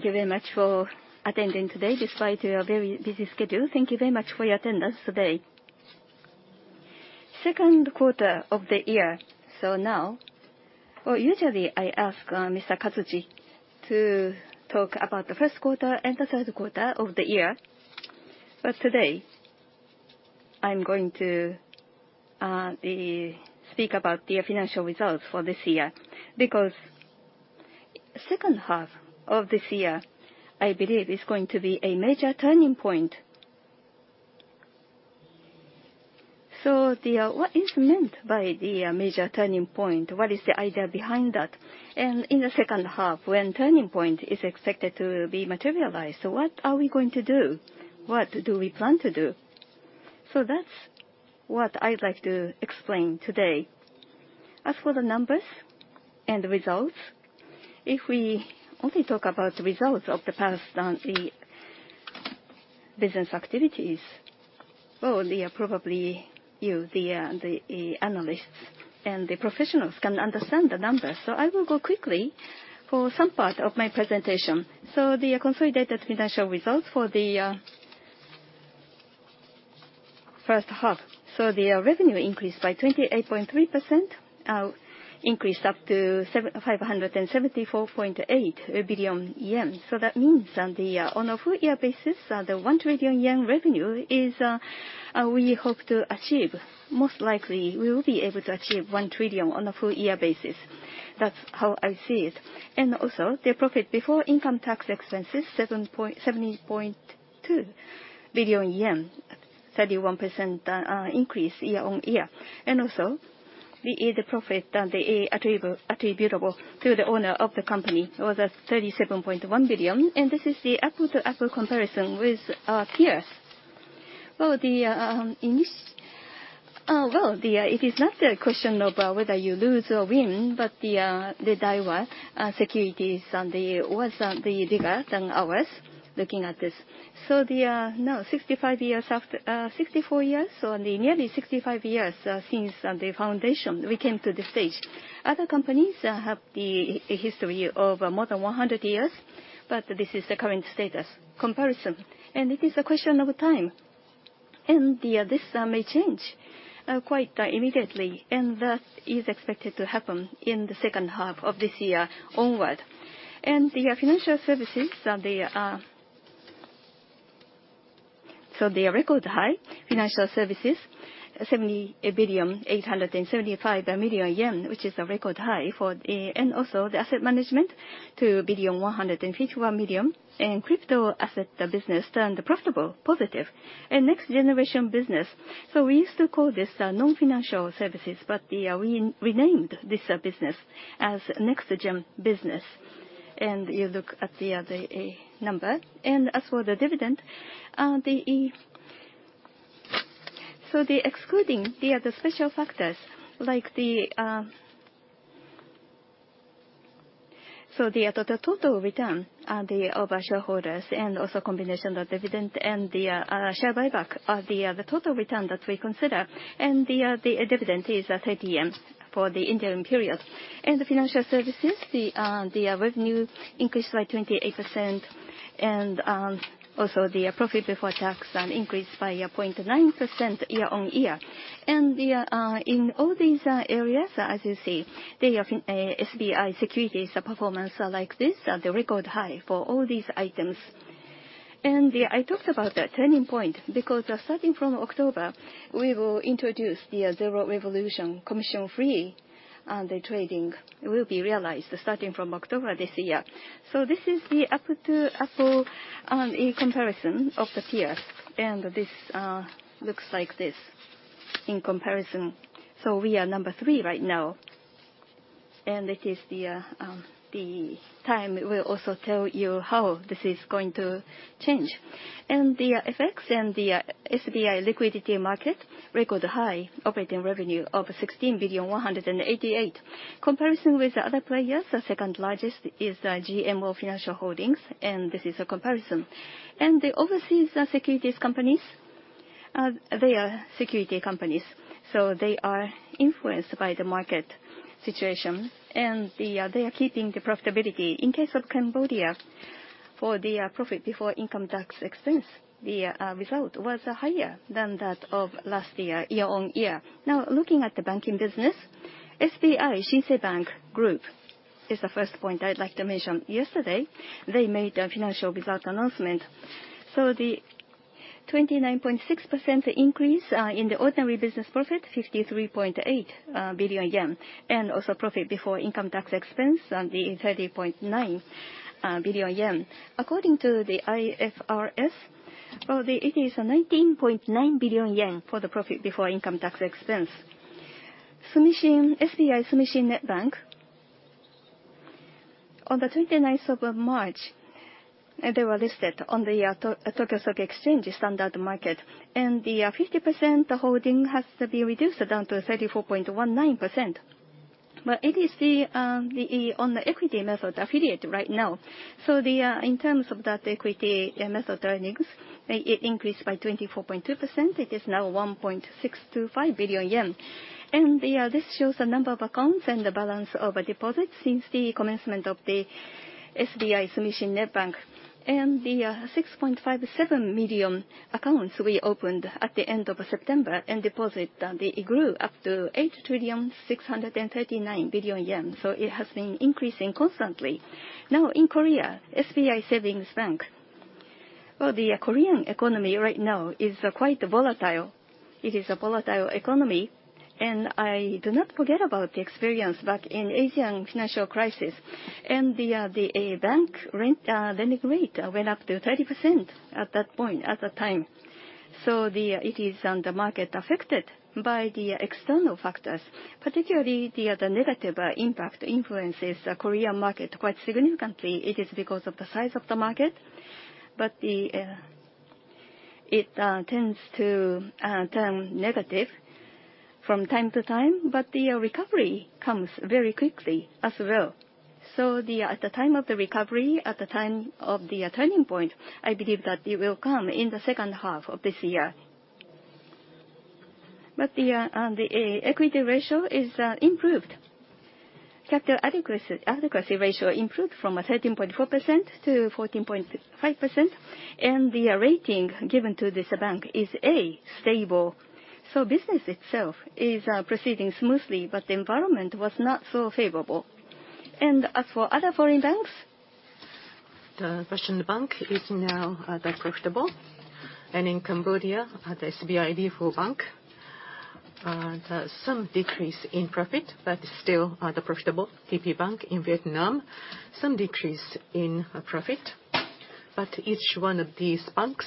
Thank you very much for attending today, despite your very busy schedule. Thank you very much for your attendance today. Second quarter of the year, so now, well, usually I ask Mr. Katsuji to talk about the first quarter and the third quarter of the year, but today, I'm going to speak about the financial results for this year. Because second half of this year, I believe, is going to be a major turning point. So what is meant by the major turning point? What is the idea behind that? And in the second half, when turning point is expected to be materialized, so what are we going to do? What do we plan to do? So that's what I'd like to explain today. As for the numbers and the results, if we only talk about the results of the past, business activities, well, they are probably you, the, the, analysts and the professionals can understand the numbers. So I will go quickly for some part of my presentation. So the consolidated financial results for the, first half. So the, revenue increased by 28.3%, increased up to 754.8 billion yen. So that means on the, on a full year basis, the 1 trillion yen revenue is, we hope to achieve. Most likely, we will be able to achieve 1 trillion on a full year basis. That's how I see it. And also, the profit before income tax expenses, 70.2 billion yen, 31%, increase year-on-year. And also, the profit attributable to the owner of the company was at 37.1 billion, and this is the apples-to-apples comparison with our peers. Well, it is not a question of whether you lose or win, but the Daiwa Securities and the was the bigger than ours, looking at this. So now 65 years after, 64 years, so the nearly 65 years since the foundation, we came to the stage. Other companies have the history of more than 100 years, but this is the current status comparison, and it is a question of time. And, this may change quite immediately, and that is expected to happen in the second half of this year onward. So the record high financial services, 70.875 billion, which is a record high, and also the asset management, 2.151 billion, and crypto asset business turned profitable, positive. And next generation business, so we used to call this non-financial services, but we renamed this business as NextGen business. And you look at the number. And as for the dividend, so excluding the special factors like the... So the total return of our shareholders and also combination of dividend and the share buyback are the total return that we consider, and the dividend is 30 yen for the interim period. The financial services revenue increased by 28%, and also the profit before tax increased by 0.9% year-on-year. In all these areas, as you see, the SBI Securities' performance are like this, at the record high for all these items. I talked about the turning point, because starting from October, we will introduce the Zero Revolution commission-free, and the trading will be realized starting from October this year. So this is the apple-to-apple comparison of the peers, and this looks like this in comparison. So we are number 3 right now, and it is the time will also tell you how this is going to change. The FX and the SBI Liquidity Market, record high operating revenue of 16.188 billion. Comparison with the other players, the second largest is GMO Financial Holdings, and this is a comparison. The overseas securities companies, they are securities companies, so they are influenced by the market situation, and they are keeping the profitability. In case of Cambodia, for the profit before income tax expense, the result was higher than that of last year, year-on-year. Now, looking at the banking business, SBI Shinsei Bank Group is the first point I'd like to mention. Yesterday, they made a financial result announcement. So the 29.6% increase in the ordinary business profit, 53.8 billion yen, and also profit before income tax expense on the 30.9 billion yen. According to the IFRS, it is 19.9 billion yen for the profit before income tax expense. Sumishin, SBI Sumishin Net Bank, on the 29th of March, they were listed on the Tokyo Stock Exchange standard market, and the 50% holding has to be reduced down to 34.19%. But it is the on the equity method affiliate right now. So in terms of that equity method earnings, it increased by 24.2%. It is now 1.625 billion yen. And this shows the number of accounts and the balance of deposits since the commencement of the-... SBI Sumishin Net Bank, and the 6.57 million accounts we opened at the end of September, and deposits they grew up to 8,639 billion yen. So it has been increasing constantly. Now, in Korea, SBI Savings Bank, well, the Korean economy right now is quite volatile. It is a volatile economy, and I do not forget about the experience back in Asian financial crisis. And the bank rent lending rate went up to 30% at that point, at that time. So the it is on the market affected by the external factors, particularly the negative impact influences the Korean market quite significantly. It is because of the size of the market, but it tends to turn negative from time to time, but the recovery comes very quickly as well. So at the time of the recovery, at the time of the turning point, I believe that it will come in the second half of this year. But the equity ratio is improved. Capital adequacy ratio improved from 13.4%-14.5%, and the rating given to this bank is A stable. So business itself is proceeding smoothly, but the environment was not so favorable. And as for other foreign banks, the Russian bank is now profitable. And in Cambodia, the SBIF Bank, there's some decrease in profit, but still, they're profitable. TP Bank in Vietnam, some decrease in profit, but each one of these banks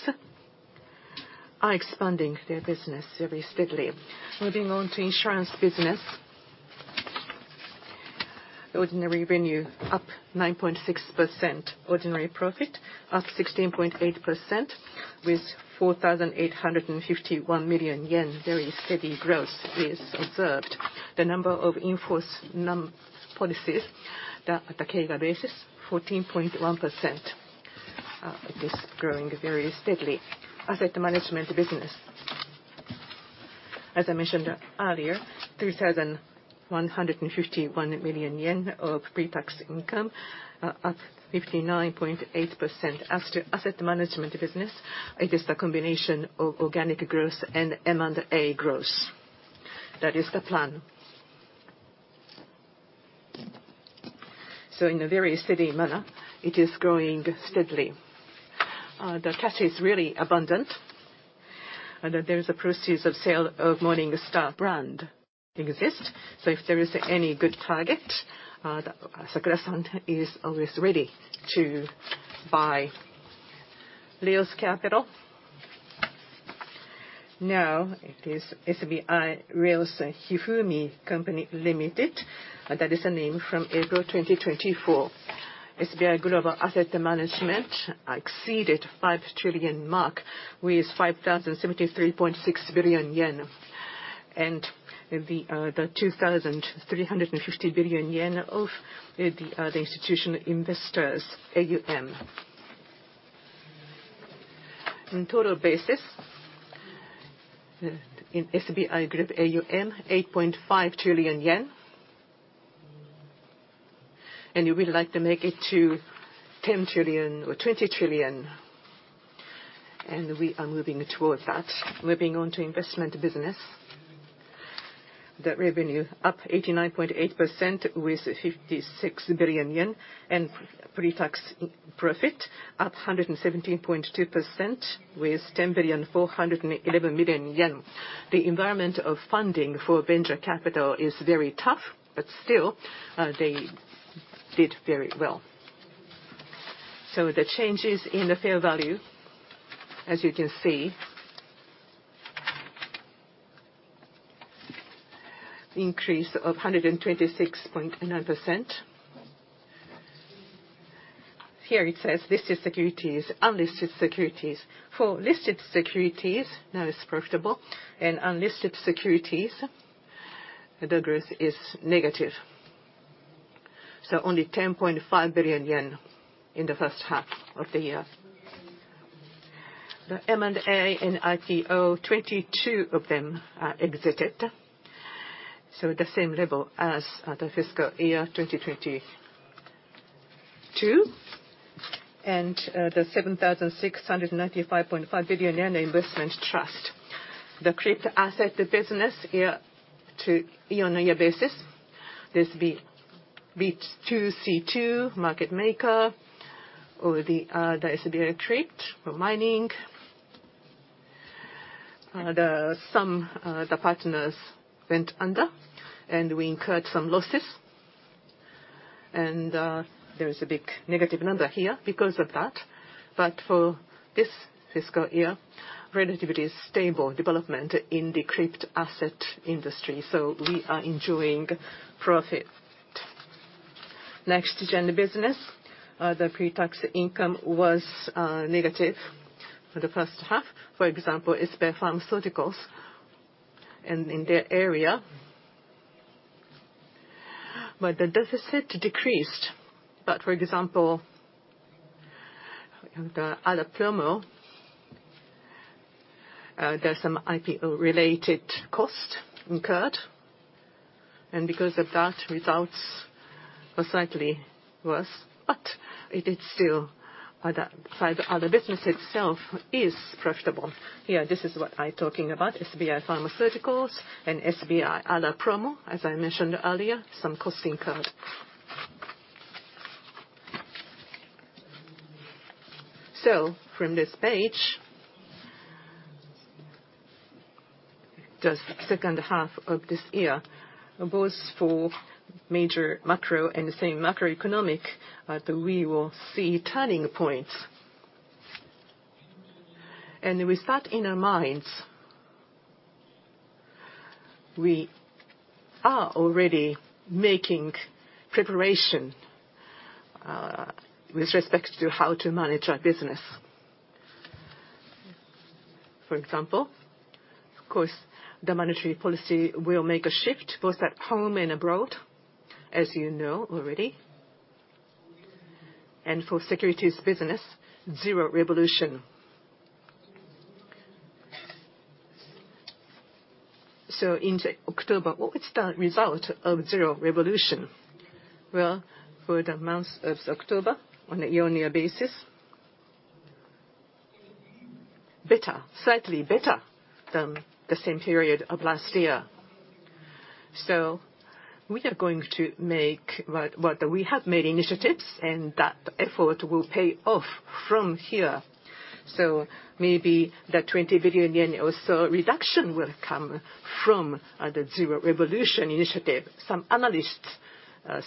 are expanding their business very steadily. Moving on to insurance business. Ordinary revenue up 9.6%, ordinary profit up 16.8%, with 4,851 million yen. Very steady growth is observed. The number of in-force policies, at the CAGR basis, 14.1%, it is growing very steadily. Asset management business. As I mentioned earlier, 3,151 million yen of pre-tax income, up, up 59.8%. As to asset management business, it is the combination of organic growth and M&A growth. That is the plan. So in a very steady manner, it is growing steadily. The cash is really abundant, and there is a proceeds of sale of Morningstar brand exist. So if there is any good target, Asakura-san is always ready to buy. Rheos Capital. Now, it is SBI Rheos Hifumi Company Limited, and that is a name from April 2024. SBI Global Asset Management exceeded five trillion mark with 5,073.6 billion yen, and the two thousand three hundred and fifty billion yen of the institutional investors, AUM. In total basis, in SBI Group AUM, 8.5 trillion yen. And we would like to make it to 10 trillion or 20 trillion, and we are moving towards that. Moving on to investment business. The revenue up 89.8% with 56 billion yen, and pre-tax profit up 117.2% with JPY 10.411 billion. The environment of funding for venture capital is very tough, but still, they did very well. So the changes in the fair value, as you can see, increase of 126.9%. Here it says, "Listed securities, unlisted securities." For listed securities, that is profitable, and unlisted securities, the growth is negative, so only 10.5 billion yen in the first half of the year. The M&A and IPO, 22 of them are exited, so the same level as the fiscal year 2022, and the 7,695.5 billion yen investment trust. The crypto asset business year-to-year on year-on-year basis, this B2C2 market maker or the SBI crypto for mining. Some of the partners went under, and we incurred some losses. And there is a big negative number here because of that. But for this fiscal year, relatively stable development in the crypto-asset industry, so we are enjoying profit. Next-gen business. The pre-tax income was negative for the first half. For example, SBI Pharmaceuticals and in their area, but the deficit decreased. But for example, the ALApromo—there's some IPO-related cost incurred, and because of that, results were slightly worse. But it is still, by the other business itself, is profitable. Here, this is what I talking about, SBI Pharmaceuticals and SBI ALApromo, as I mentioned earlier, some cost incurred. So from this page, just second half of this year, both for major macro and the same macroeconomic, we will see turning points. And with that in our minds, we are already making preparation, with respect to how to manage our business. For example, of course, the monetary policy will make a shift both at home and abroad, as you know already. And for securities business, Zero Revolution. So in October, what was the result of Zero Revolution? Well, for the month of October, on a year-on-year basis, better, slightly better than the same period of last year. So we are going to make what, what we have made initiatives, and that effort will pay off from here. So maybe the 20 billion yen or so reduction will come from, the Zero Revolution initiative. Some analysts,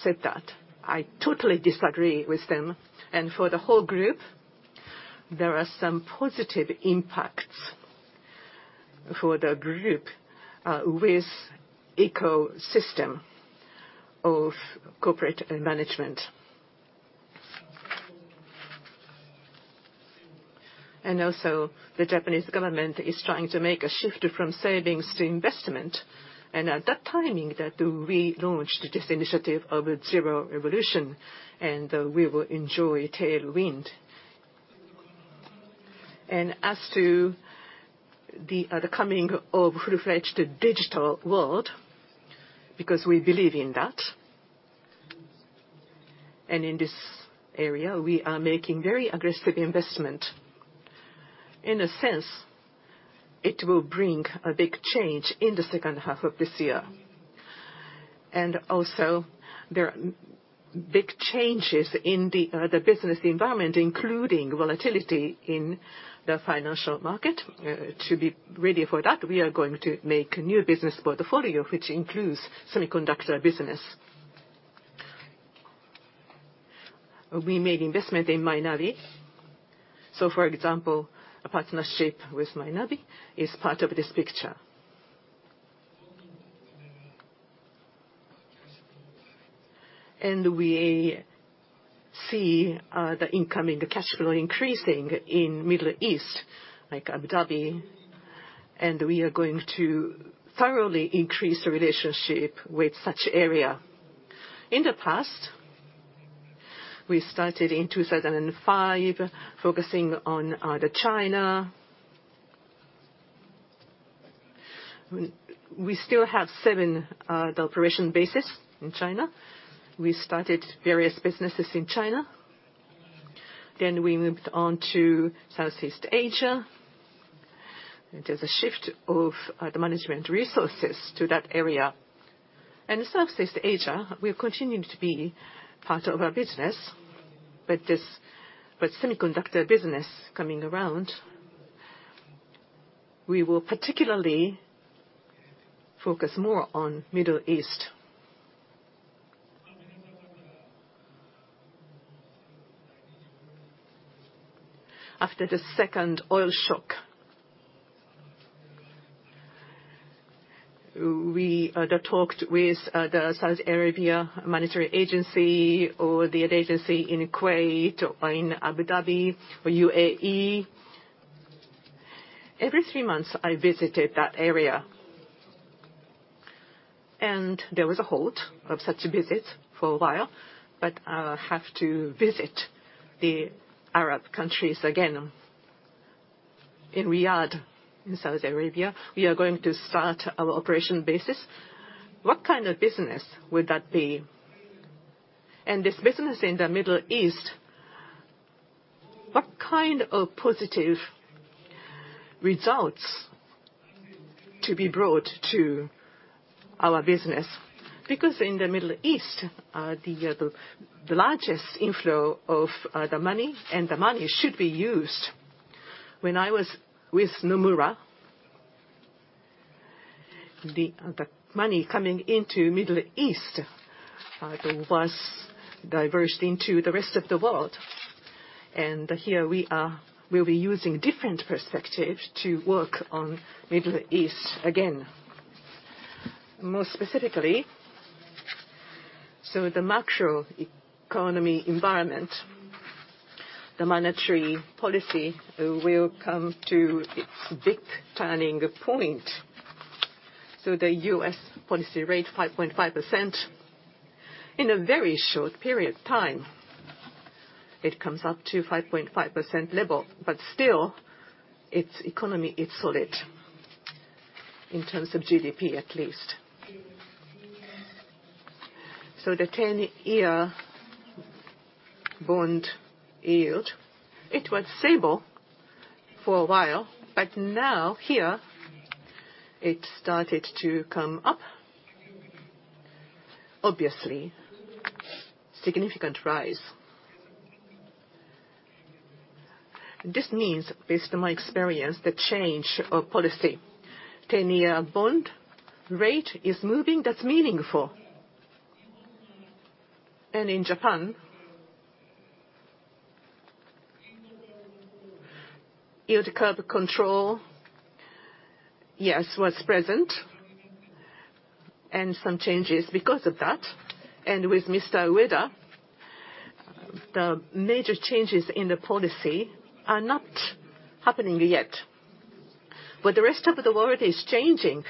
said that. I totally disagree with them. And for the whole group, there are some positive impacts for the group, with ecosystem of corporate and management. Also, the Japanese government is trying to make a shift from savings to investment, and at that timing that we launched this initiative of Zero Revolution, and we will enjoy tailwind. And as to the coming of full-fledged digital world, because we believe in that, and in this area, we are making very aggressive investment. In a sense, it will bring a big change in the second half of this year. Also, there are big changes in the business environment, including volatility in the financial market. To be ready for that, we are going to make a new business portfolio, which includes semiconductor business. We made investment in Mynavi. So, for example, a partnership with Mynavi is part of this picture. We see the income in the cash flow increasing in Middle East, like Abu Dhabi, and we are going to thoroughly increase the relationship with such area. In the past, we started in 2005, focusing on the China. We, we still have seven the operation bases in China. We started various businesses in China, then we moved on to Southeast Asia. There's a shift of the management resources to that area. And Southeast Asia will continue to be part of our business, but this with semiconductor business coming around, we will particularly focus more on Middle East. After the second oil shock, we talked with the Saudi Arabia monetary agency or the agency in Kuwait or in Abu Dhabi or UAE. Every three months, I visited that area, and there was a halt of such visits for a while, but I will have to visit the Arab countries again. In Riyadh, in Saudi Arabia, we are going to start our operation basis. What kind of business would that be? And this business in the Middle East, what kind of positive results to be brought to our business? Because in the Middle East, the largest inflow of the money, and the money should be used. When I was with Nomura, the money coming into Middle East was diversified into the rest of the world. And here we are, we'll be using different perspective to work on Middle East again. More specifically, so the macroeconomic environment, the monetary policy will come to its big turning point. So the U.S. policy rate, 5.5%, in a very short period of time. It comes up to 5.5% level, but still, its economy is solid in terms of GDP, at least. So the ten-year bond yield, it was stable for a while, but now, here, it started to come up. Obviously, significant rise. This means, based on my experience, the change of policy. Ten-year bond rate is moving, that's meaningful. And in Japan, yield curve control, yes, was present, and some changes because of that. And with Mr. Ueda, the major changes in the policy are not happening yet. But the rest of the world is changing,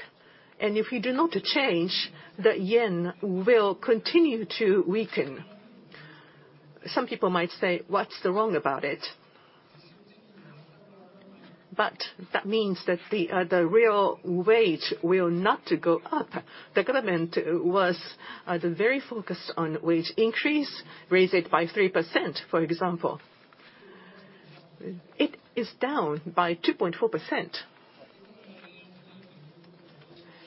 and if you do not change, the Japanese yen will continue to weaken. Some people might say, "What's the wrong about it?" But that means that the, the real wage will not go up. The government was very focused on wage increase, raise it by 3%, for example. It is down by 2.4%.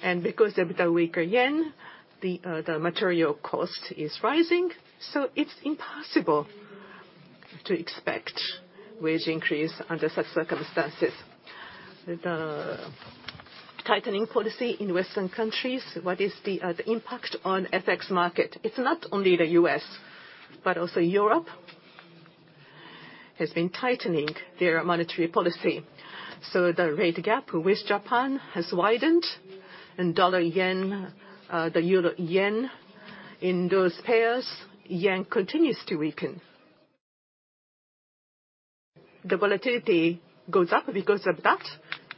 And because of the weaker yen, the material cost is rising, so it's impossible to expect wage increase under such circumstances. The tightening policy in Western countries, what is the impact on FX market? It's not only the U.S., but also Europe has been tightening their monetary policy. So the rate gap with Japan has widened, and dollar-yen, the euro-yen, in those pairs, yen continues to weaken. The volatility goes up because of that,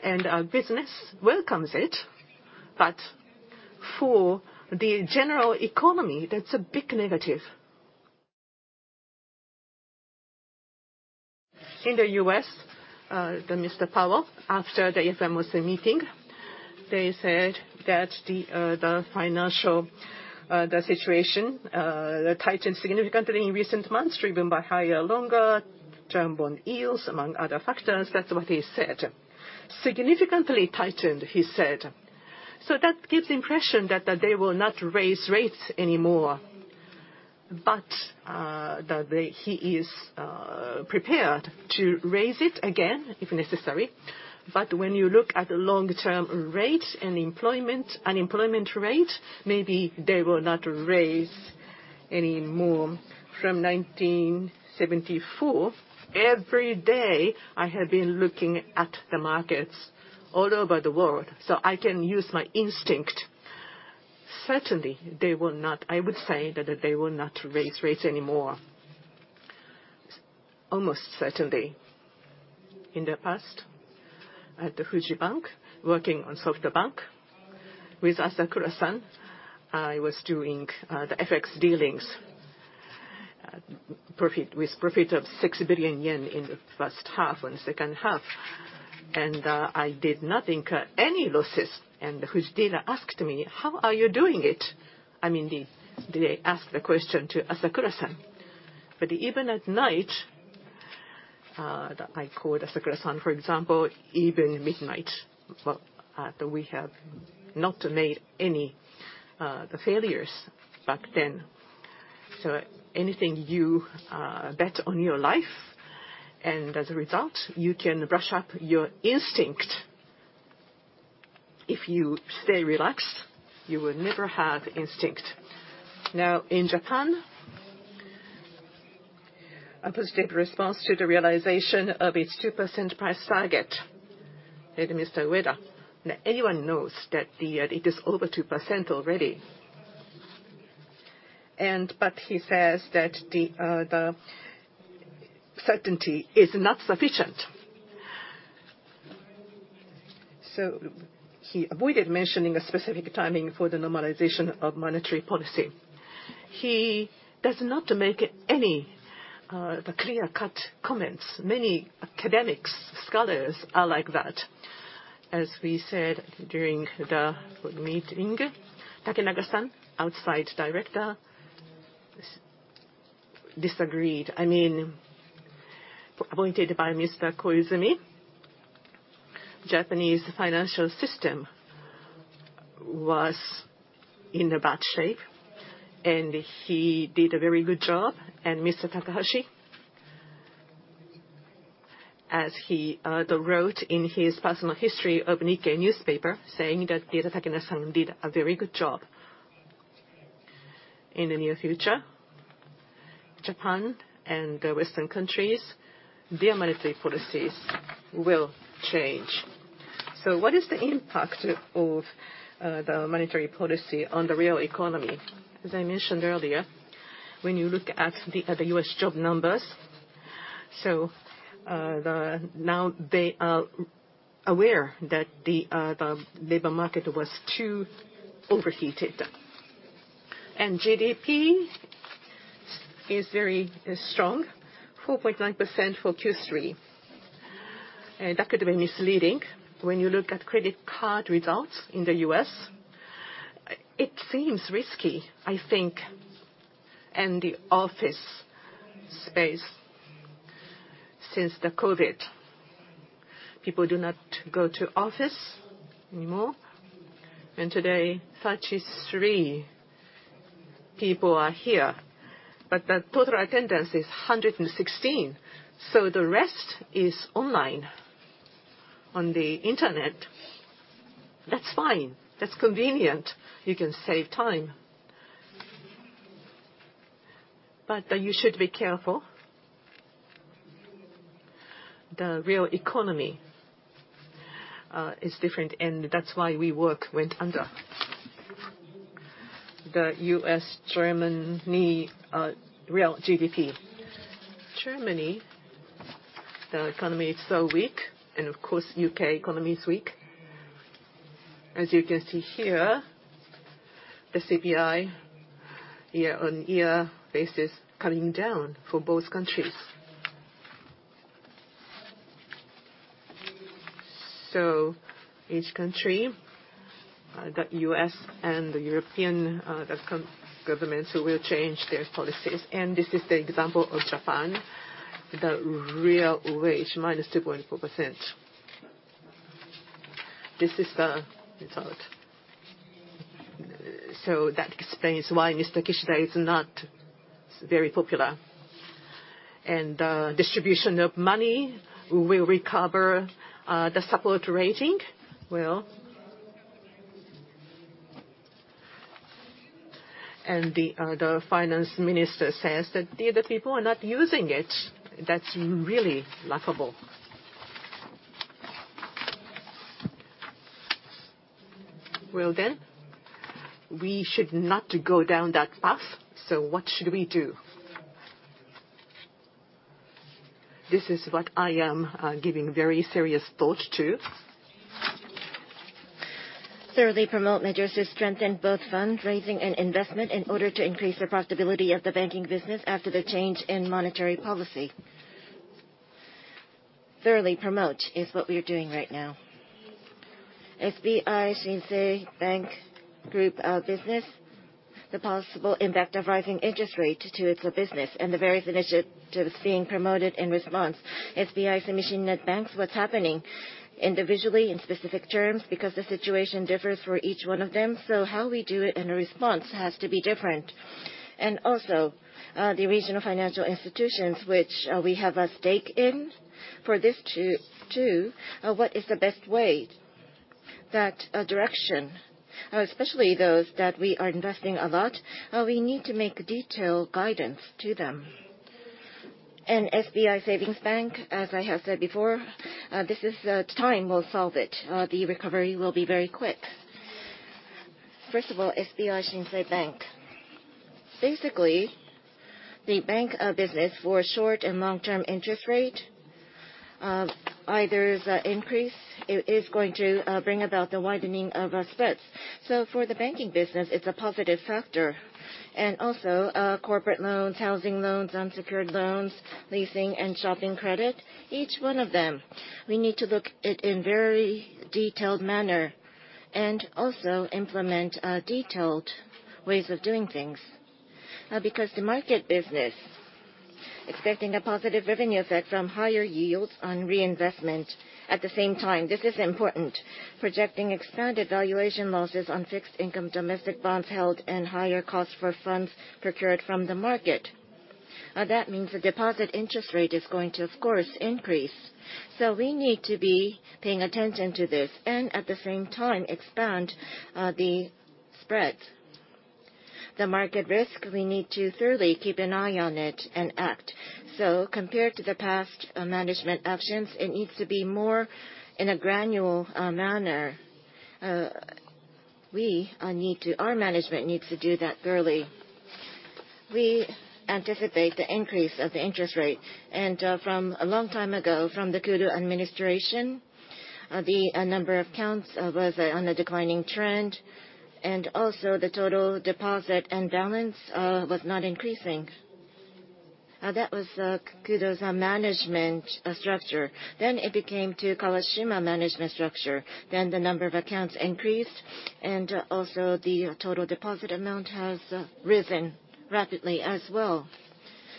and our business welcomes it, but for the general economy, that's a big negative. In the U.S., the Mr. Powell, after the FOMC meeting, they said that the financial situation tightened significantly in recent months, driven by higher longer-term bond yields, among other factors. That's what he said. "Significantly tightened," he said. So that gives the impression that they will not raise rates anymore, but that he is prepared to raise it again, if necessary. But when you look at the long-term rate and employment, unemployment rate, maybe they will not raise any more. From 1974, every day, I have been looking at the markets all over the world, so I can use my instinct. Certainly, they will not. I would say that they will not raise rates anymore. Almost certainly. In the past, at the Fuji Bank, working on SoftBank with Asakura-san, I was doing the FX dealings, profit, with profit of 6 billion yen in the first half and second half, and I did not incur any losses. Fuji Bank asked me, "How are you doing it?" I mean, they, they asked the question to Asakura-san. But even at night, I called Asakura-san, for example, even midnight, but we have not made any failures back then. So anything you bet on your life, and as a result, you can brush up your instinct. If you stay relaxed, you will never have instinct. Now, in Japan, a positive response to the realization of its 2% price target, said Mr. Ueda. Now, anyone knows that the it is over 2% already. But he says that the certainty is not sufficient. So he avoided mentioning a specific timing for the normalization of monetary policy. He does not make any clear-cut comments. Many academics, scholars are like that. As we said during the board meeting, Takenaka-san, outside director, disagreed. I mean, appointed by Mr. Koizumi, Japanese financial system was in a bad shape, and he did a very good job. And Mr. Takahashi, as he wrote in his personal history of Nikkei newspaper, saying that the Takenaka-san did a very good job. In the near future, Japan and the Western countries, their monetary policies will change. So what is the impact of the monetary policy on the real economy? As I mentioned earlier, when you look at the U.S. job numbers-... So, now they are aware that the labor market was too overheated. GDP is very strong, 4.9% for Q3. And that could be misleading when you look at credit card results in the U.S. It seems risky, I think, and the office space since the COVID, people do not go to office anymore, and today, 33 people are here, but the total attendance is 116, so the rest is online, on the internet. That's fine, that's convenient. You can save time. But you should be careful. The real economy is different, and that's why WeWork went under. The U.S., Germany, real GDP. Germany, the economy is so weak, and of course, U.K. economy is weak. As you can see here, the CPI year-on-year basis coming down for both countries. So each country, the U.S. and the European government will change their policies. And this is the example of Japan, the real wage, minus 2.4%. This is the result. So that explains why Mr. Kishida is not very popular. And distribution of money will recover the support rating. Well... And the finance minister says that the people are not using it. That's really laughable. Well then, we should not go down that path, so what should we do? This is what I am giving very serious thought to. Thoroughly promote measures to strengthen both fundraising and investment in order to increase the profitability of the banking business after the change in monetary policy. Thoroughly promote is what we are doing right now. SBI Shinsei Bank Group business, the possible impact of rising interest rate to its business and the various initiatives being promoted in response. SBI Shinsei Net Banks, what's happening? Individually, in specific terms, because the situation differs for each one of them, so how we do it and the response has to be different. And also, the regional financial institutions, which we have a stake in, for this too, what is the best way that direction, especially those that we are investing a lot, we need to make detailed guidance to them. And SBI Savings Bank, as I have said before, this is time will solve it. The recovery will be very quick. First of all, SBI Shinsei Bank. Basically, the bank business for short and long-term interest rate, either the increase, it is going to bring about the widening of our spreads. So for the banking business, it's a positive factor. And also, corporate loans, housing loans, unsecured loans, leasing, and shopping credit, each one of them, we need to look at in very detailed manner, and also implement detailed ways of doing things. Because the market business, expecting a positive revenue effect from higher yields on reinvestment, at the same time, this is important, projecting expanded valuation losses on fixed income, domestic bonds held, and higher costs for funds procured from the market. That means the deposit interest rate is going to, of course, increase. So we need to be paying attention to this, and at the same time, expand the spreads. The market risk, we need to thoroughly keep an eye on it and act. So compared to the past, management actions, it needs to be more in a granular manner. Our management needs to do that thoroughly. We anticipate the increase of the interest rate, and from a long time ago, from the Kudo administration, the number of accounts was on a declining trend, and also the total deposit and balance was not increasing. That was Kudo's management structure. Then it became to Kawashima management structure, then the number of accounts increased, and also the total deposit amount has risen rapidly as well.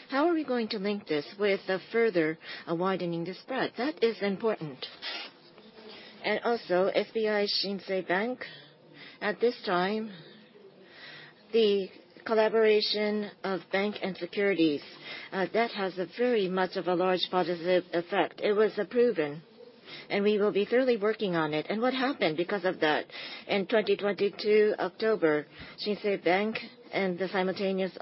How are we going to link this with a further widening the spread? That is important. And also, SBI Shinsei Bank, at this time, the collaboration of bank and securities, that has a very much of a large positive effect. It was approved, and we will be thoroughly working on it. And what happened because of that? In 2022, October, Shinsei Bank and the simultaneous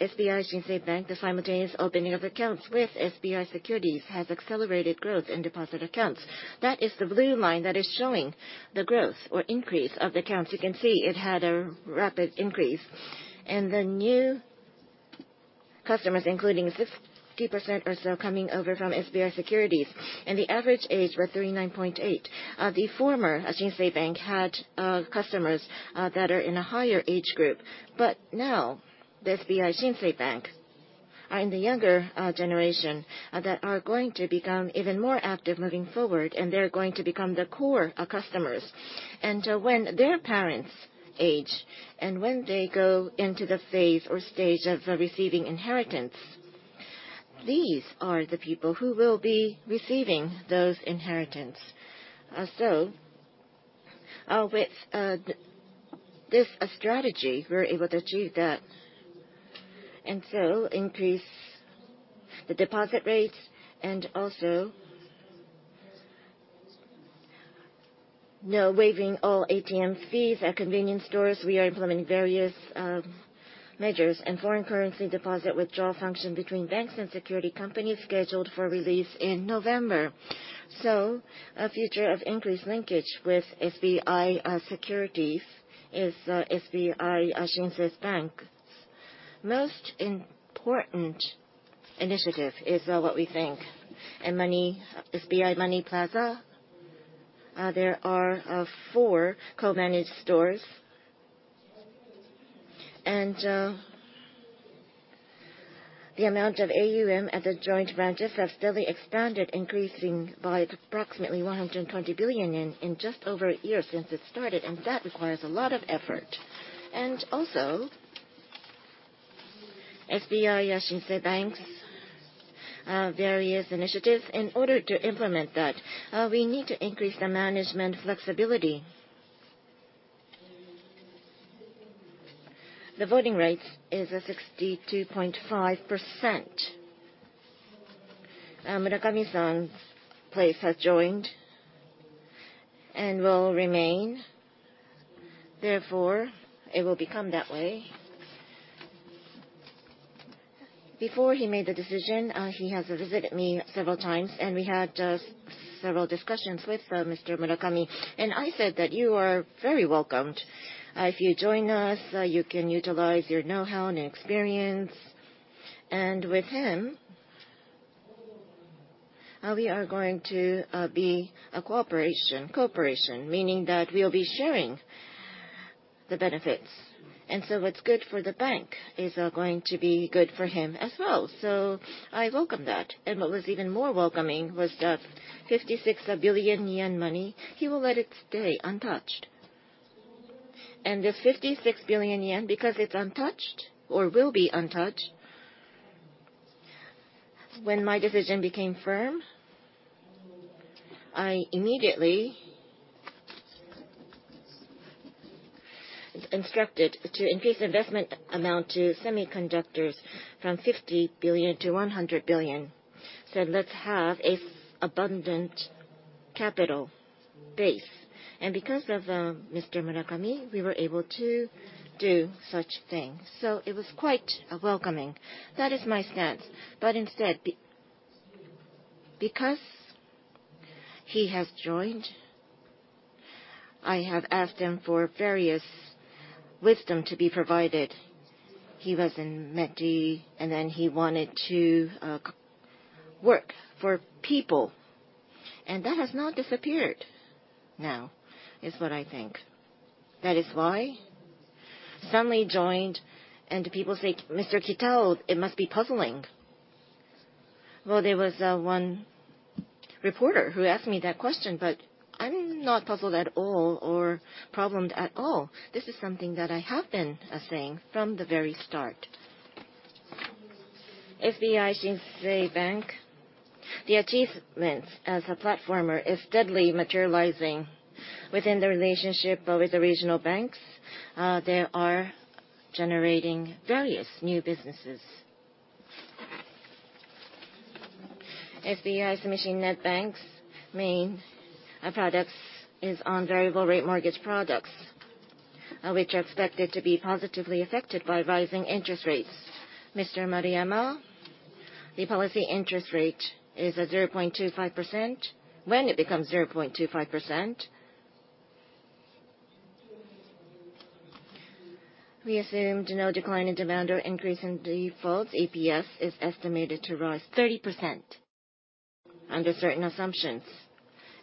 SBI Shinsei Bank, the simultaneous opening of accounts with SBI Securities, has accelerated growth in deposit accounts. That is the blue line that is showing the growth or increase of the accounts. You can see it had a rapid increase. And the customers, including 60% or so coming over from SBI Securities, and the average age were 39.8. The former Shinsei Bank had customers that are in a higher age group. But now, the SBI Shinsei Bank are in the younger generation that are going to become even more active moving forward, and they're going to become the core customers. And when their parents age, and when they go into the phase or stage of receiving inheritance, these are the people who will be receiving those inheritance. So with this strategy, we're able to achieve that, and so increase the deposit rates and also now waiving all ATM fees at convenience stores. We are implementing various measures, and foreign currency deposit withdrawal function between banks and security companies scheduled for release in November. So a future of increased linkage with SBI Securities is SBI Shinsei Bank's most important initiative, is what we think. And SBI Money Plaza, there are four co-managed stores. The amount of AUM at the joint branches have steadily expanded, increasing by approximately 120 billion in just over a year since it started, and that requires a lot of effort. SBI Shinsei Bank's various initiatives. In order to implement that, we need to increase the management flexibility. The voting rates is at 62.5%. Murakami-san's place has joined and will remain, therefore, it will become that way. Before he made the decision, he has visited me several times, and we had several discussions with Mr. Murakami, and I said that "You are very welcomed. If you join us, you can utilize your know-how and experience." And with him, we are going to be a cooperation-cooperation, meaning that we'll be sharing the benefits. And so what's good for the bank is going to be good for him as well. So I welcome that. And what was even more welcoming was the 56 billion yen money, he will let it stay untouched. And the 56 billion yen, because it's untouched or will be untouched, when my decision became firm, I immediately instructed to increase investment amount to semiconductors from 50 billion to 100 billion. Said, "Let's have an abundant capital base." And because of Mr. Murakami, we were able to do such thing, so it was quite welcoming. That is my stance. But instead, because he has joined, I have asked him for various wisdom to be provided. He was in METI, and then he wanted to work for people, and that has not disappeared now, is what I think. That is why suddenly joined, and people say, "Mr. Kitao, it must be puzzling." Well, there was one reporter who asked me that question, but I'm not puzzled at all or bothered at all. This is something that I have been saying from the very start. SBI Shinsei Bank, the achievements as a platform is steadily materializing within the relationship with the regional banks. They are generating various new businesses. SBI Sumishin Net Bank's main products is on variable-rate mortgage products, which are expected to be positively affected by rising interest rates. Mr. Maruyama, the policy interest rate is at 0.25%. When it becomes 0.25%, we assumed no decline in demand or increase in defaults. APS is estimated to rise 30% under certain assumptions.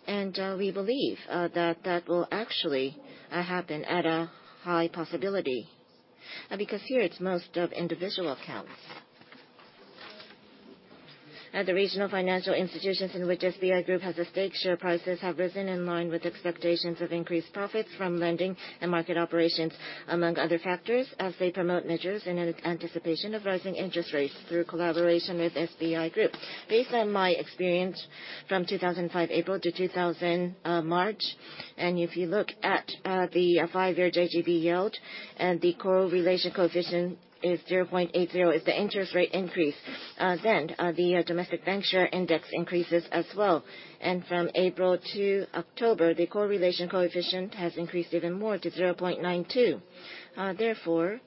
And, we believe that that will actually happen at a high possibility, because here it's most of individual accounts. The regional financial institutions in which SBI Group has a stake, share prices have risen in line with expectations of increased profits from lending and market operations, among other factors, as they promote measures in anticipation of rising interest rates through collaboration with SBI Group. Based on my experience from 2005 April to 2007 March, and if you look at the five-year JGB yield, and the correlation coefficient is 0.80. If the interest rate increase, then the domestic bank share index increases as well. And from April to October, the correlation coefficient has increased even more to 0.92. Therefore,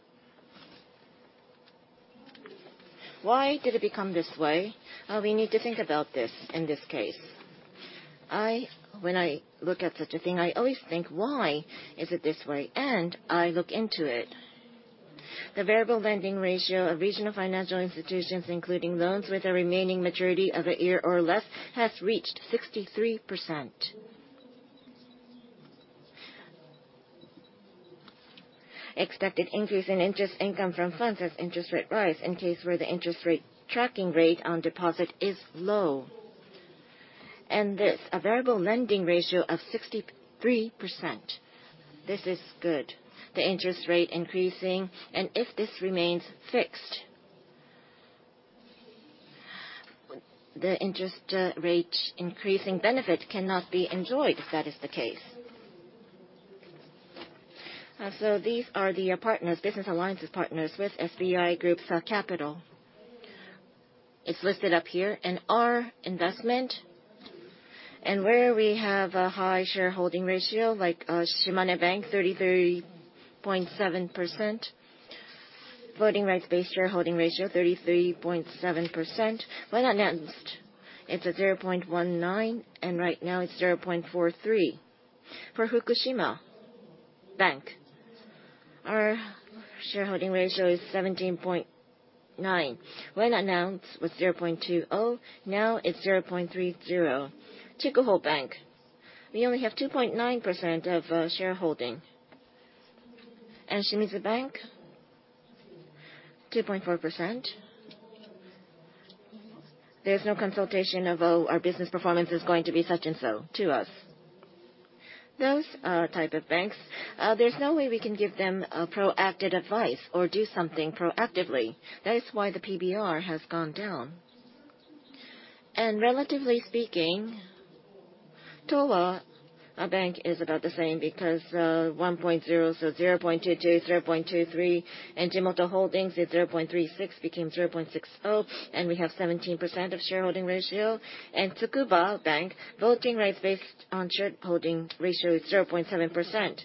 why did it become this way? We need to think about this in this case. I, when I look at such a thing, I always think, "Why is it this way?" And I look into it. The variable lending ratio of regional financial institutions, including loans with a remaining maturity of a year or less, has reached 63%. Expected increase in interest income from funds as interest rate rise in case where the interest rate tracking rate on deposit is low. And this, a variable lending ratio of 63%, this is good. The interest rate increasing, and if this remains fixed, the interest, rate increasing benefit cannot be enjoyed, if that is the case. So these are the partners, business alliances partners with SBI Group's capital. It's listed up here, and our investment, and where we have a high shareholding ratio, like, Shimane Bank, 33.7%. Voting rights-based shareholding ratio, 33.7%. When announced, it's at 0.19, and right now, it's 0.43. For Fukushima Bank, our shareholding ratio is 17.9. When announced, it was 0.20, now it's 0.30. Chikuhō Bank, we only have 2.9% of, shareholding. And Shimizu Bank, 2.4%. There's no consultation of, "Oh, our business performance is going to be such and so," to us. Those, type of banks, there's no way we can give them a proactive advice or do something proactively. That is why the PBR has gone down. And relatively speaking, Tōwa, our bank, is about the same because, 1.0, so 0.22, 0.23. Jimoto Holdings is 0.36, became 0.60, and we have 17% shareholding ratio. Tsukuba Bank, voting rights based on shareholding ratio is 0.7%.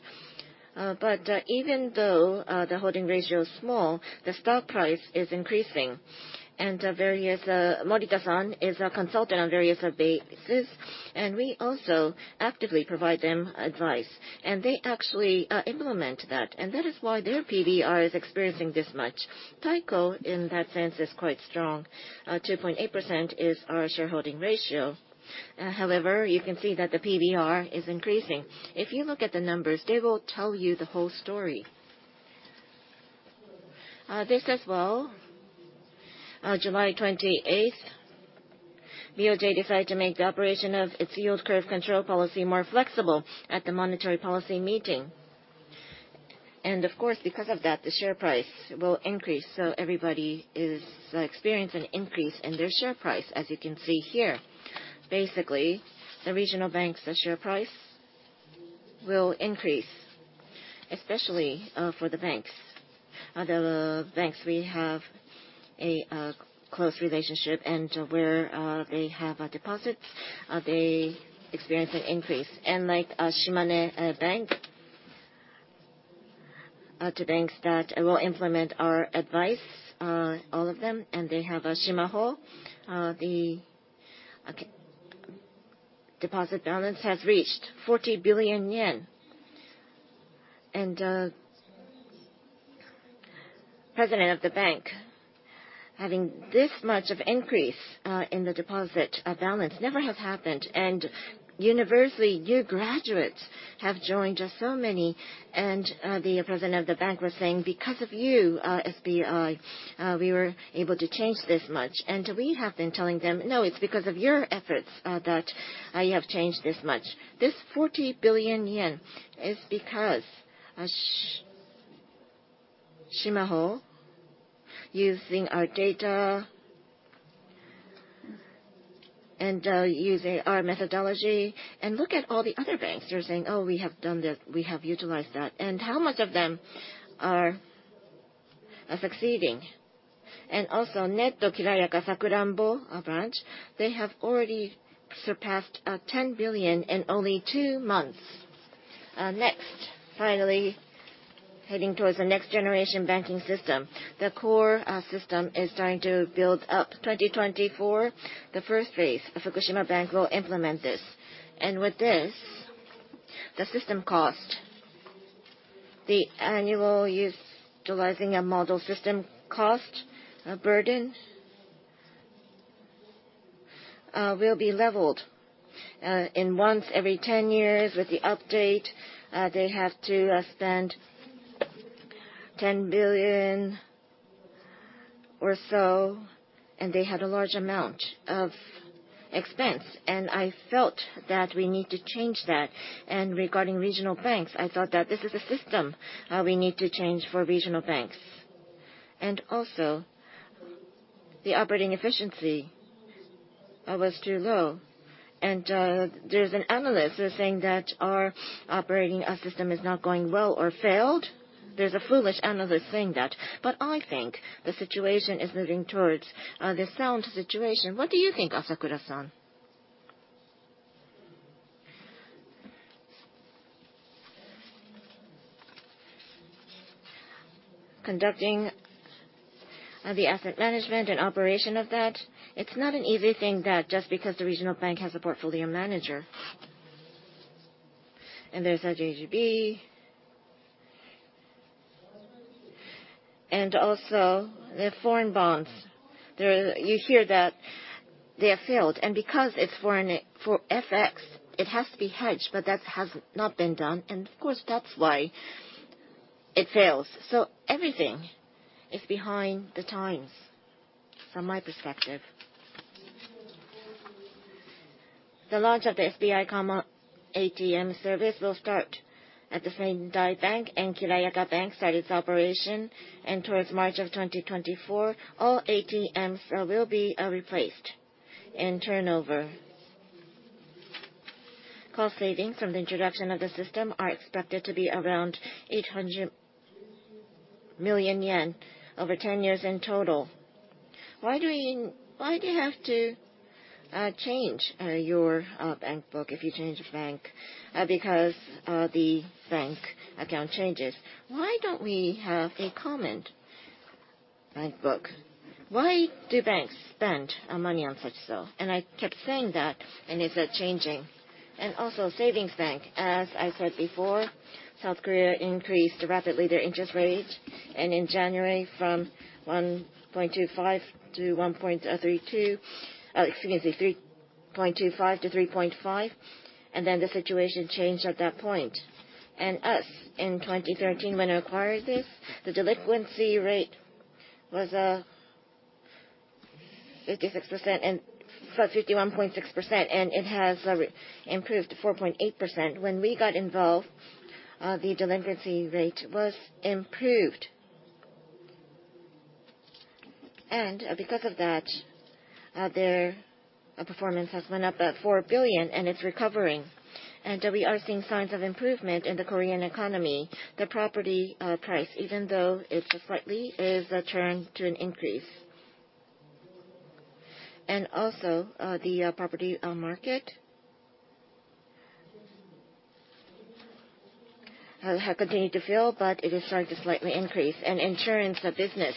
But even though the holding ratio is small, the stock price is increasing. And various, Morita-san is a consultant on various bases, and we also actively provide them advice, and they actually implement that. And that is why their PBR is experiencing this much. Taiko, in that sense, is quite strong. 2.8% is our shareholding ratio. However, you can see that the PBR is increasing. If you look at the numbers, they will tell you the whole story. This as well, on July 28th, BOJ decided to make the operation of its yield curve control policy more flexible at the monetary policy meeting. And of course, because of that, the share price will increase, so everybody is experiencing an increase in their share price, as you can see here. Basically, the regional banks, the share price will increase, especially for the banks. The banks, we have a close relationship, and where they have a deposit, they experience an increase. And like Shimane Bank, 2 banks that will implement our advice, all of them, and they have Shimane. The deposit balance has reached 40 billion yen. And president of the bank, having this much of increase in the deposit balance never has happened. And university new graduates have joined us, so many. The president of the bank was saying, "Because of you, SBI, we were able to change this much." We have been telling them, "No, it's because of your efforts, that you have changed this much." This 40 billion yen is because Shimane using our data and using our methodology. Look at all the other banks; they're saying: "Oh, we have done this, we have utilized that." And how much of them are succeeding? Also, Net Kirayaka Sakuranbo, our branch, they have already surpassed 10 billion in only two months. Next, finally, heading towards the next generation banking system. The core system is starting to build up. 2024, the first phase of Fukushima Bank will implement this. With this, the system cost, the annual utilizing a model system cost, burden, will be leveled. And once every 10 years with the update, they have to spend JPY 10 billion or so, and they had a large amount of expense, and I felt that we need to change that. And regarding regional banks, I thought that this is a system we need to change for regional banks. And also, the operating efficiency was too low. And, there's an analyst who's saying that our operating system is not going well or failed. There's a foolish analyst saying that, but I think the situation is moving towards the sound situation. What do you think, Asakura-san?... Conducting the asset management and operation of that, it's not an easy thing that just because the regional bank has a portfolio manager. And there's a JGB. And also, the foreign bonds, there are, you hear that they have failed, and because it's foreign for FX, it has to be hedged, but that has not been done, and of course, that's why it fails. So everything is behind the times, from my perspective. The launch of the SBI common ATM service will start at the Sendai Bank and Kirayaka Bank start its operation, and towards March of 2024, all ATMs will be replaced and turnover. Cost savings from the introduction of the system are expected to be around 800 million yen over 10 years in total. Why do you, why do you have to change your bank book if you change bank? Because the bank account changes. Why don't we have a common bank book? Why do banks spend money on such so? I kept saying that, and is it changing? Also, savings bank, as I said before, South Korea increased rapidly their interest rate, and in January from 1.25-1.32, excuse me, 3.25-3.5, and then the situation changed at that point. Us, in 2013, when I acquired this, the delinquency rate was 56% and 51.6%, and it has improved to 4.8%. When we got involved, the delinquency rate was improved. Because of that, their performance has went up at 4 billion, and it's recovering. We are seeing signs of improvement in the Korean economy. The property price, even though it's slightly, is a turn to an increase. Also, the property market has continued to fall, but it is starting to slightly increase. The insurance business,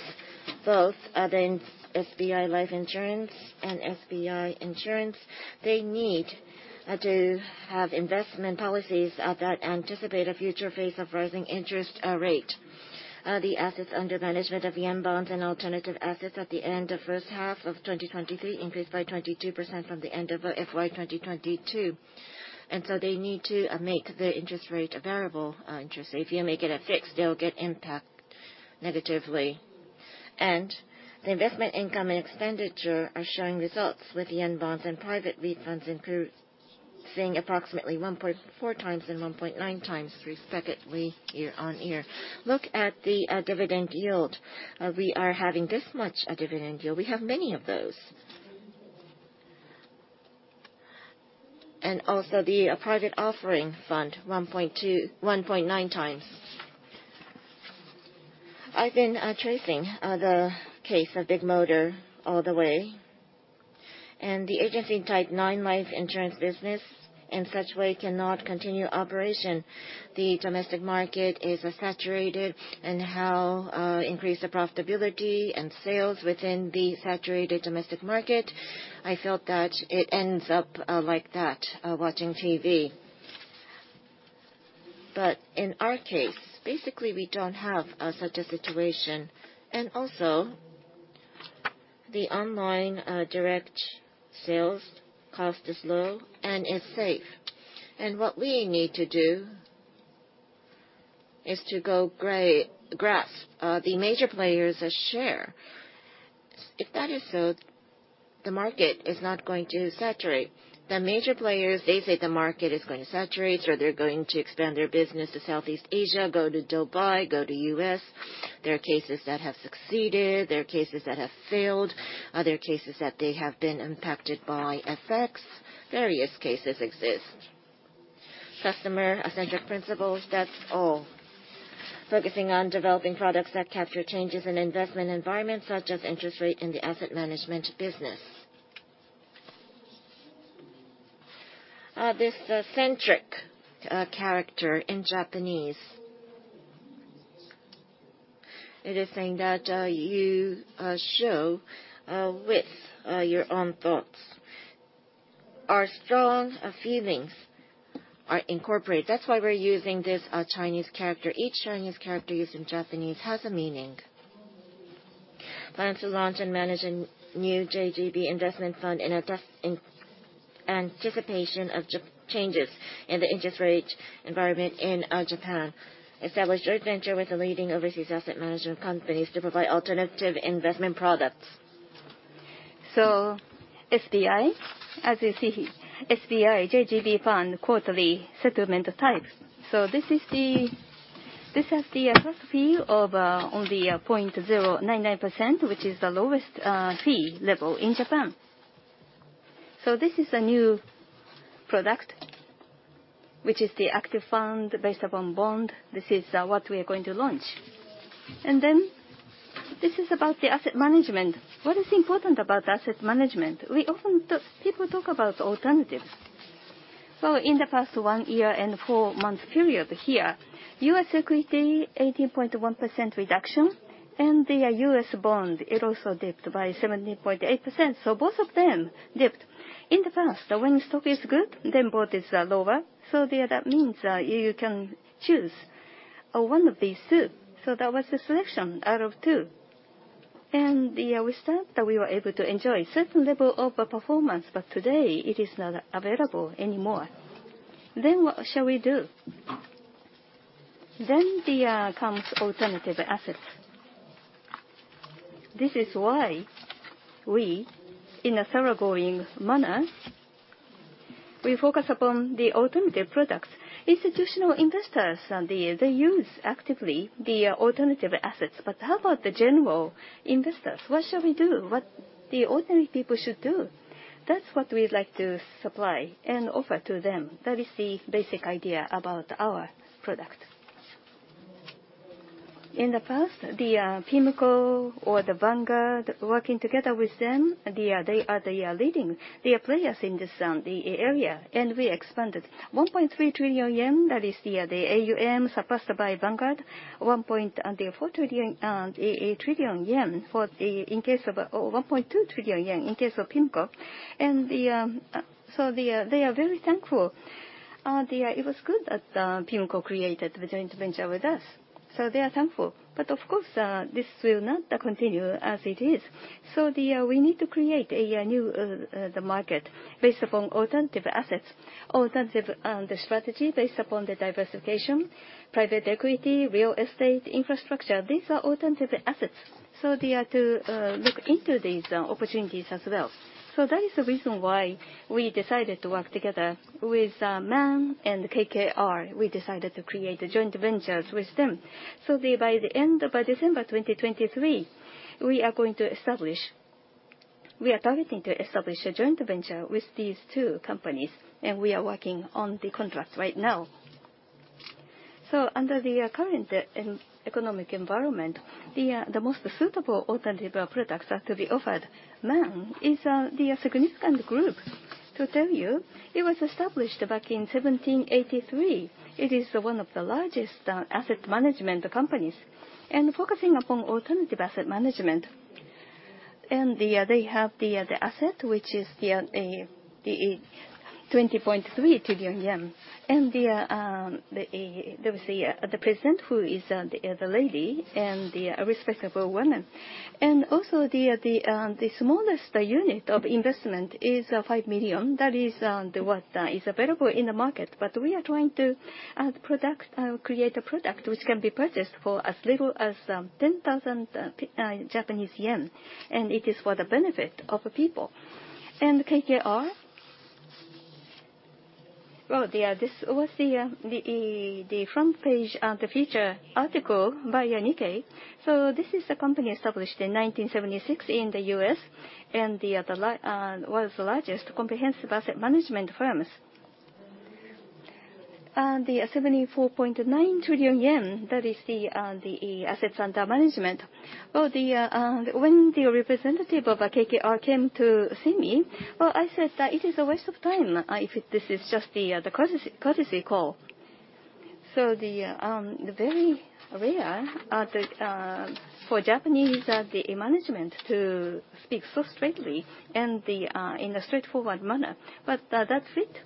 both the SBI Life Insurance and SBI Insurance, they need to have investment policies that anticipate a future phase of rising interest rate. The assets under management of yen bonds and alternative assets at the end of first half of 2023 increased by 22% from the end of FY 2022. So they need to make the interest rate a variable interest. If you make it a fixed, they'll get impact negatively. The investment income and expenditure are showing results with yen bonds and private funds improving approximately 1.4x and 1.9x respectively year on year. Look at the dividend yield. We are having this much a dividend yield. We have many of those. And also the private offering fund, 1.2-1.9x. I've been tracing the case of Bigmotor all the way, and the agency type nine life insurance business in such way cannot continue operation. The domestic market is saturated, and how increase the profitability and sales within the saturated domestic market, I felt that it ends up like that, watching TV. But in our case, basically, we don't have such a situation. And also, the online direct sales cost is low and is safe. And what we need to do is to grasp the major players' share. If that is so, the market is not going to saturate. The major players, they say the market is going to saturate, so they're going to expand their business to Southeast Asia, go to Dubai, go to U.S. There are cases that have succeeded, there are cases that have failed, other cases that they have been impacted by FX. Various cases exist. Customer-centric principles, that's all. Focusing on developing products that capture changes in investment environment, such as interest rate in the asset management business. This centric character in Japanese, it is saying that you show with your own thoughts. Our strong feelings are incorporated. That's why we're using this Chinese character. Each Chinese character used in Japanese has a meaning. Plan to launch and manage a new JGB investment fund in anticipation of changes in the interest rate environment in Japan. Establish a joint venture with the leading overseas asset management companies to provide alternative investment products. SBI, as you see, SBI JGB Fund, quarterly settlement type. This is the. This has the trust fee of only 0.099%, which is the lowest fee level in Japan. This is a new product, which is the active fund based upon bond. This is what we are going to launch. And then, this is about the asset management. What is important about asset management? We often people talk about alternatives.... So in the past one year and four months period here, U.S. equity, 18.1% reduction, and the U.S. bond, it also dipped by 17.8%, so both of them dipped. In the past, when stock is good, then bond is lower, so there, that means you can choose one of these two. So that was the selection out of two. And, yeah, we start, that we were able to enjoy certain level of performance, but today, it is not available anymore. Then what shall we do? Then comes alternative assets. This is why we, in a thoroughgoing manner, we focus upon the alternative products. Institutional investors, they use actively the alternative assets, but how about the general investors? What shall we do? What the ordinary people should do? That's what we'd like to supply and offer to them. That is the basic idea about our product. In the past, the PIMCO or the Vanguard, working together with them, they are, they are the leading, they are players in this, the area, and we expanded 1.3 trillion yen, that is the the AUM surpassed by Vanguard, 1.4 trillion for the in case of, or 1.2 trillion yen in case of PIMCO. And the so they are, they are very thankful. The it was good that PIMCO created the joint venture with us, so they are thankful. But of course, this will not continue as it is. So we need to create a new market based upon alternative assets, alternative, the strategy based upon the diversification, private equity, real estate, infrastructure. These are alternative assets, so they are to look into these opportunities as well. So that is the reason why we decided to work together with Man and KKR. We decided to create the joint ventures with them. So by the end of December 2023, we are going to establish. We are targeting to establish a joint venture with these two companies, and we are working on the contract right now. So under the current economic environment, the most suitable alternative products are to be offered. Man is the significant group. To tell you, it was established back in 1783. It is one of the largest asset management companies focusing upon alternative asset management. They have the asset, which is 20.3 trillion yen. There is the president, who is the lady and the respectable woman. Also, the smallest unit of investment is 5 million. That is what is available in the market. But we are trying to create a product which can be purchased for as little as 10,000 Japanese yen, and it is for the benefit of the people. And KKR, well, this was the front page feature article by Nikkei. So this is a company established in 1976 in the U.S., and one of the largest comprehensive asset management firms. And the 74.9 trillion yen, that is the assets under management. Well, when the representative of KKR came to see me, well, I said that it is a waste of time if this is just the courtesy call. So the very rare for Japanese the management to speak so straightly and in a straightforward manner, but that's it.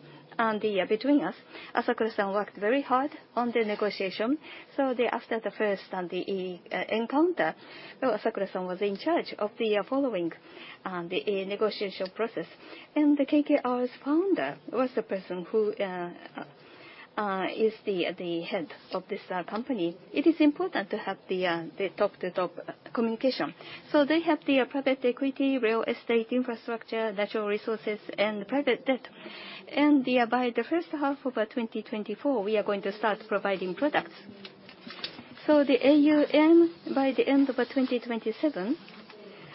And between us, Asakura-san worked very hard on the negotiation. So after the first encounter, well, Asakura-san was in charge of the following negotiation process. The KKR's founder was the person who is the head of this company. It is important to have the top-to-top communication. So they have the private equity, real estate, infrastructure, natural resources, and private debt. And by the first half of 2024, we are going to start providing products. So the AUM, by the end of 2027,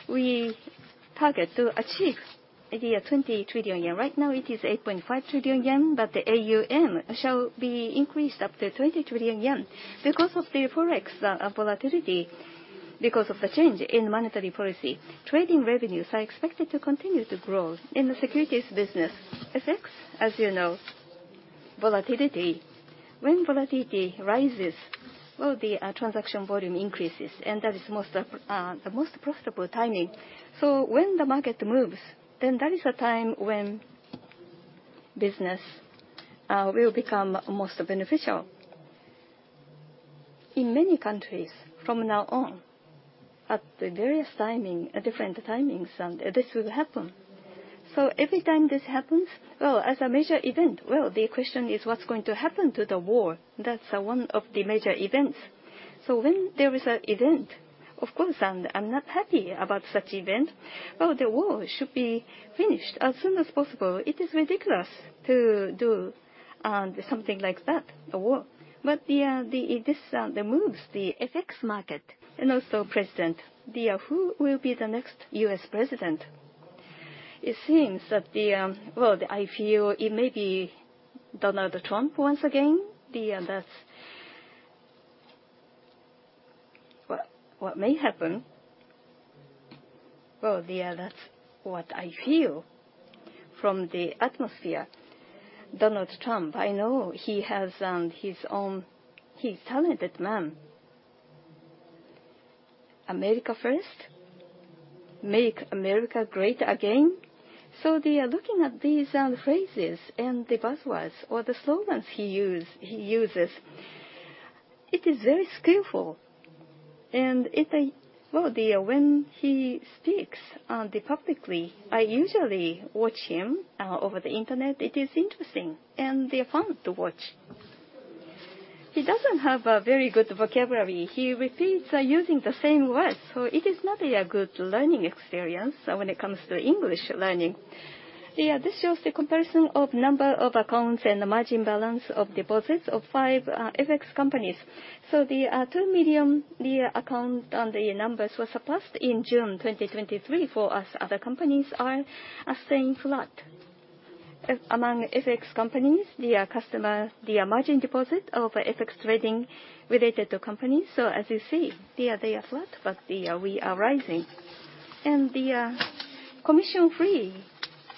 we target to achieve 20 trillion yen. Right now, it is 8.5 trillion yen, but the AUM shall be increased up to 20 trillion yen. Because of the Forex volatility, because of the change in monetary policy, trading revenues are expected to continue to grow in the securities business. FX, as you know, volatility. When volatility rises, well, the transaction volume increases, and that is the most profitable timing. So when the market moves, then that is the time when business will become most beneficial. In many countries from now on, at the various timing, at different timings, this will happen. So every time this happens, well, as a major event, well, the question is what's going to happen to the war? That's one of the major events. So when there is an event, of course, I'm not happy about such event. Well, the war should be finished as soon as possible. It is ridiculous to do something like that, a war. But the moves, the FX market and also the president who will be the next U.S. president? It seems that, well, I feel it may be Donald Trump once again, the that's-... What may happen, well, yeah, that's what I feel from the atmosphere. Donald Trump, I know he has his own—he's talented man. America first, make America great again. So, looking at these phrases and the buzzwords or the slogans he uses, it is very skillful. And if I—well, when he speaks publicly, I usually watch him over the internet. It is interesting and fun to watch. He doesn't have a very good vocabulary. He repeats using the same words, so it is not a good learning experience when it comes to English learning. Yeah, this shows the comparison of number of accounts and the margin balance of deposits of 5 FX companies. So the 2 million, the account and the numbers were surpassed in June 2023 for us. Other companies are staying flat. Among FX companies, the customer, the margin deposit of FX trading related to companies. So as you see, they are flat, but we are rising. And the commission-free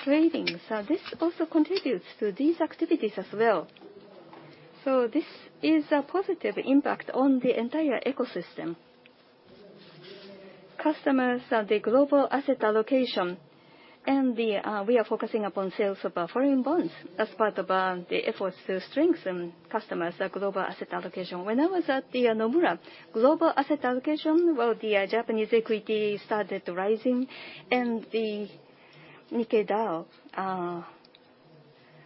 trading, so this also contributes to these activities as well. So this is a positive impact on the entire ecosystem. Customers of the global asset allocation and we are focusing upon sales of foreign bonds as part of the efforts to strengthen customers' global asset allocation. When I was at the Nomura, global asset allocation, well, the Japanese equity started rising, and the Nikkei Dow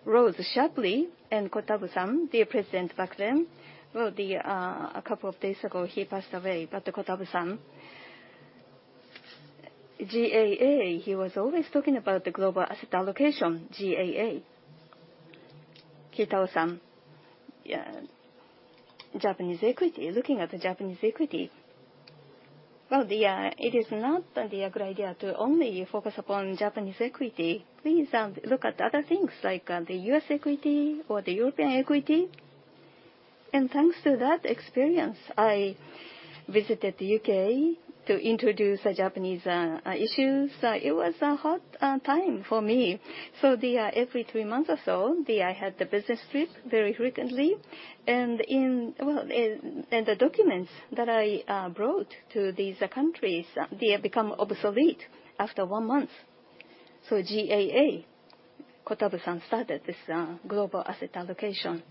rose sharply, and Ko-Tabuchi, the president back then, well, a couple of days ago, he passed away, but Ko-Tabuchi, GAA, he was always talking about the global asset allocation, GAA. Kitao-san, yeah, Japanese equity, looking at the Japanese equity. Well, it is not a good idea to only focus upon Japanese equity. Please, look at other things like the U.S. equity or the European equity. And thanks to that experience, I visited the U.K. to introduce the Japanese issues. It was a hard time for me. So every three months or so, I had the business trip very frequently, and, well, the documents that I brought to these countries, they become obsolete after one month. So GAA, Ko-Tabuchi started this global asset allocation.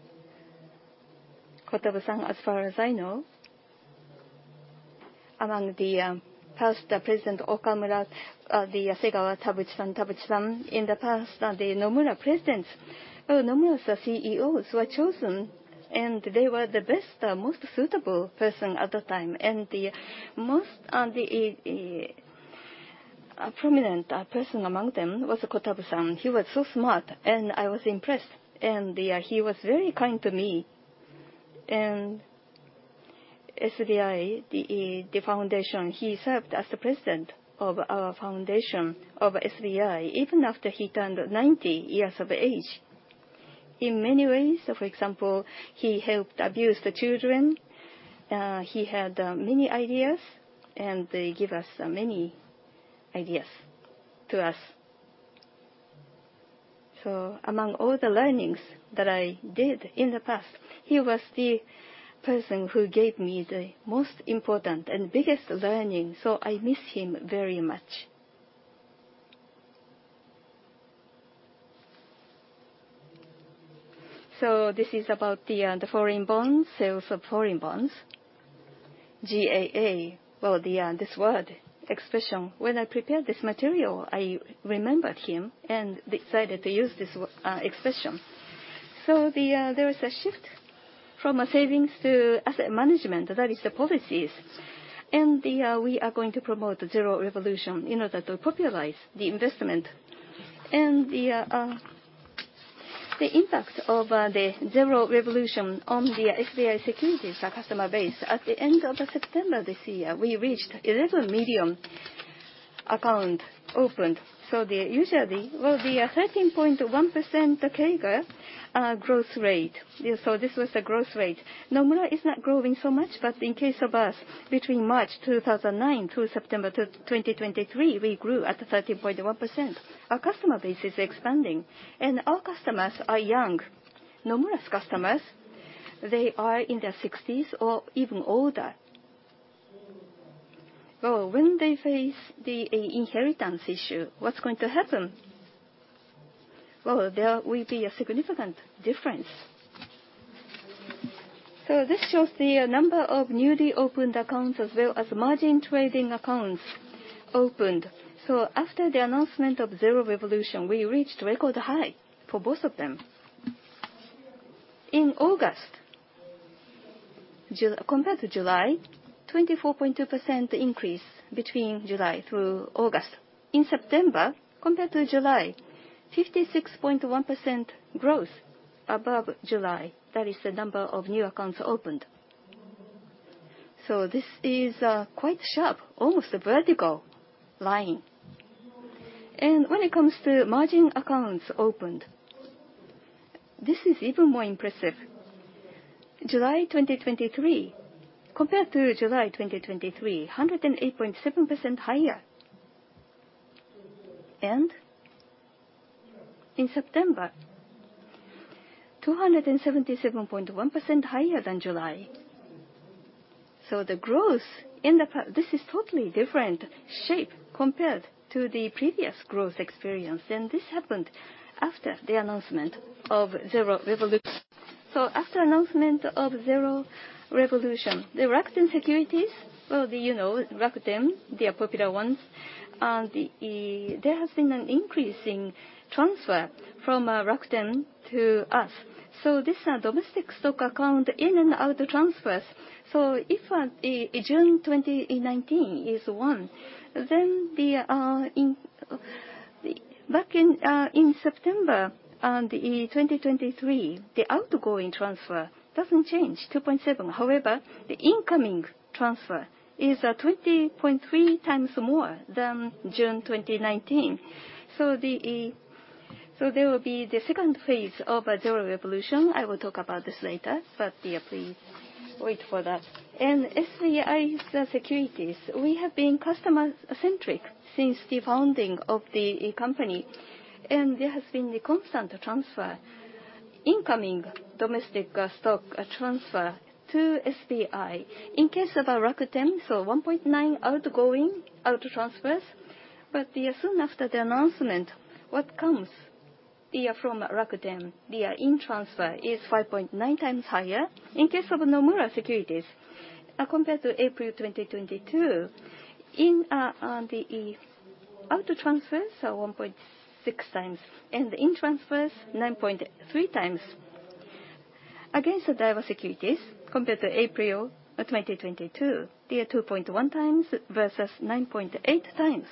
Ko-Tabuchi, as far as I know, among the past president, Okumura, the Segawa, Tabuchi-san, Tabuchi-san, in the past, the Nomura presidents, well, Nomura's CEOs were chosen, and they were the best most suitable person at the time. The most prominent person among them was Ko-Tabuchi. He was so smart, and I was impressed, and he was very kind to me. And SBI, the foundation, he served as the president of our foundation, of SBI, even after he turned 90 years of age. In many ways, so for example, he helped abuse the children, he had many ideas, and they give us many ideas to us. So among all the learnings that I did in the past, he was the person who gave me the most important and biggest learning, so I miss him very much. So this is about the foreign bonds, sales of foreign bonds. GAA, well, this word, expression, when I prepared this material, I remembered him and decided to use this expression. So there is a shift from a savings to asset management, that is the policies. And we are going to promote the Zero Revolution in order to popularize the investment. And the impact of the Zero Revolution on the SBI Securities customer base, at the end of September this year, we reached 11 million accounts opened. So usually, well, the 13.1%, the CAGR growth rate. So this was the growth rate. Nomura is not growing so much, but in case of us, between March 2009 through September 2023, we grew at 13.1%. Our customer base is expanding, and our customers are young. Nomura's customers, they are in their sixties or even older. Well, when they face the inheritance issue, what's going to happen? Well, there will be a significant difference. So this shows the number of newly opened accounts, as well as margin trading accounts opened. So after the announcement of Zero Revolution, we reached record high for both of them. In August, compared to July, 24.2% increase between July through August. In September, compared to July, 56.1% growth above July. That is the number of new accounts opened. So this is quite sharp, almost a vertical line. And when it comes to margin accounts opened, this is even more impressive. July 2023, compared to July 2023, 108.7% higher. And in September, 277.1% higher than July. So this is totally different shape compared to the previous growth experience, and this happened after the announcement of Zero Revolution. So after announcement of Zero Revolution, the Rakuten Securities, well, you know, Rakuten, they are popular ones, and there has been an increasing transfer from Rakuten to us. So this domestic stock account, in and out transfers. So if June 2019 is one, then, back in September 2023, the outgoing transfer doesn't change, 2.7. However, the incoming transfer is 20.3x more than June 2019. So there will be the second phase of Zero Revolution. I will talk about this later, but, yeah, please wait for that. SBI Securities, we have been customer-centric since the founding of the company, and there has been a constant transfer, incoming domestic, stock, transfer to SBI. In case of Rakuten, so 1.9 outgoing out transfers, but, yeah, soon after the announcement, what comes, yeah, from Rakuten, the in transfer is 5.9 times higher. In case of Nomura Securities, compared to April 2022, in, on the out transfers are 1.6x, and in transfers, 9.3x. Against the Daiwa Securities, compared to April 2022, they are 2.1x versus 9.8 times.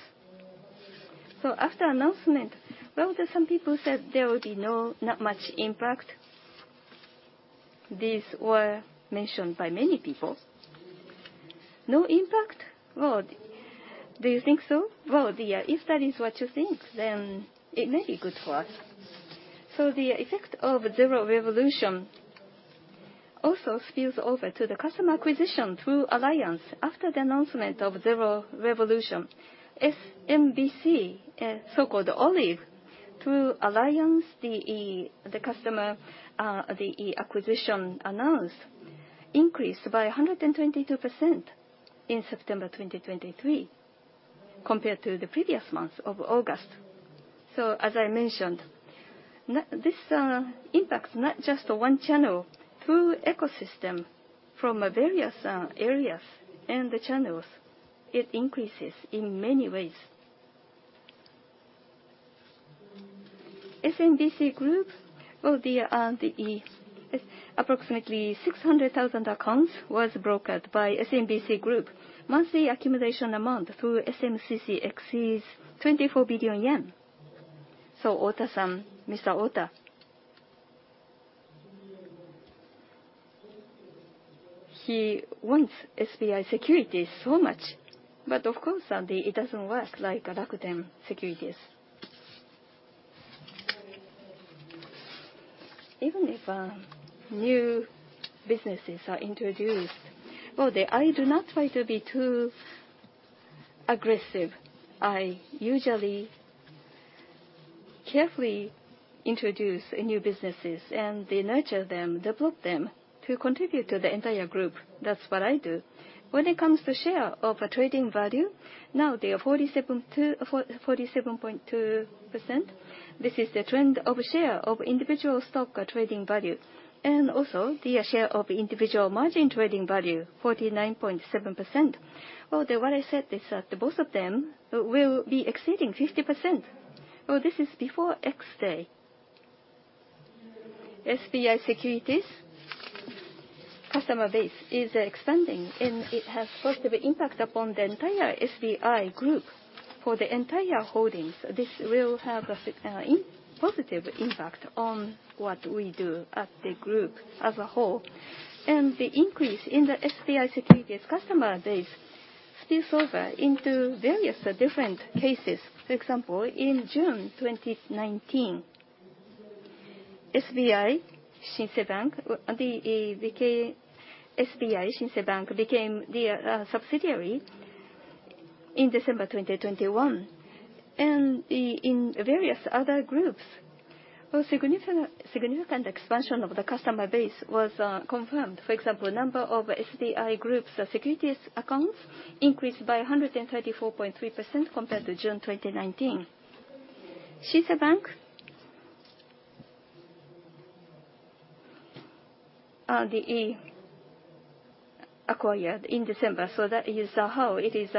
So after announcement, well, there some people said there will be no, not much impact. These were mentioned by many people. No impact? Well, do you think so? Well, yeah, if that is what you think, then it may be good for us. So the effect of Zero Revolution also spills over to the customer acquisition through alliance. After the announcement of Zero Revolution, SMBC, so-called Olive, through alliance, the customer acquisition increased by 122% in September 2023, compared to the previous month of August. So as I mentioned, this impacts not just one channel. Through ecosystem, from various areas and the channels, it increases in many ways. SMBC Group, approximately 600,000 accounts was brokered by SMBC Group. Monthly accumulation amount through SMBC exceeds 24 billion yen. So Ota-san, Mr. Ota, he wants SBI Securities so much, but of course, it doesn't work like Rakuten Securities. Even if new businesses are introduced, well, they—I do not try to be too aggressive. I usually carefully introduce new businesses, and they nurture them, develop them to contribute to the entire group. That's what I do. When it comes to share of trading value, now they are 47.2%. This is the trend of share of individual stock trading value, and also, the share of individual margin trading value, 49.7%. Well, what I said is that both of them will be exceeding 50%. Well, this is before X day. SBI Securities' customer base is expanding, and it has positive impact upon the entire SBI Group. For the entire holdings, this will have a positive impact on what we do at the group as a whole. The increase in the SBI Securities customer base spills over into various different cases. For example, in June 2019, SBI Shinsei Bank became the subsidiary in December 2021. In various other groups, a significant, significant expansion of the customer base was confirmed. For example, number of SBI Groups securities accounts increased by 134.3% compared to June 2019. Shinsei Bank the acquired in December, so that is how it is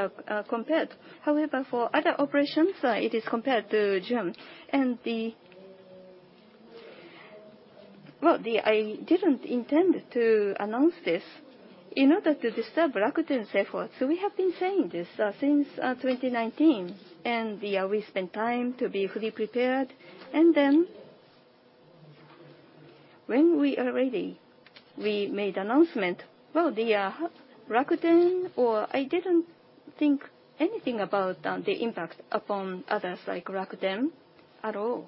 compared. However, for other operations, it is compared to June. Well, I didn't intend to announce this in order to disturb Rakuten's efforts. So we have been saying this since 2019, and, yeah, we spent time to be fully prepared. Then when we are ready we made announcement. Well, the, Rakuten, or I didn't think anything about, the impact upon others like Rakuten at all.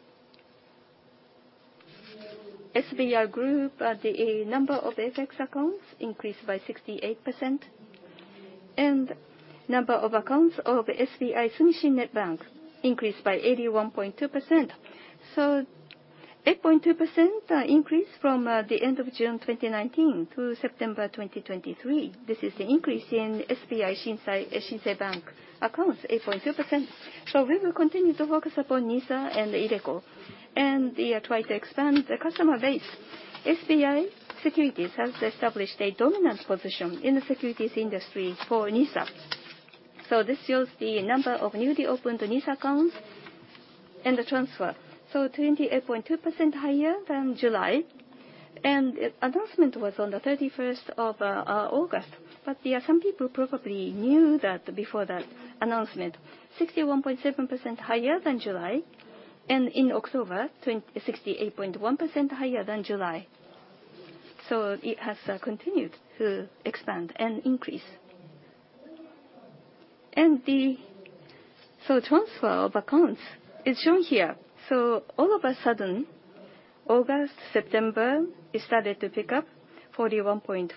SBI Group, the, number of FX accounts increased by 68%, and number of accounts of SBI Sumishin Net Bank increased by 81.2%. So 8.2%, increase from the end of June 2019 to September 2023. This is the increase in SBI Shinsei Bank accounts, 8.2%. So we will continue to focus upon NISA and iDeCo, and, try to expand the customer base. SBI Securities has established a dominant position in the securities industry for NISA. So this shows the number of newly opened NISA accounts and the transfer. So 28.2% higher than July, and announcement was on the 31 of August. But, yeah, some people probably knew that before that announcement. 61.7% higher than July, and in October, 68.1% higher than July. So it has continued to expand and increase. And so transfer of accounts is shown here. So all of a sudden, August, September, it started to pick up 41.5%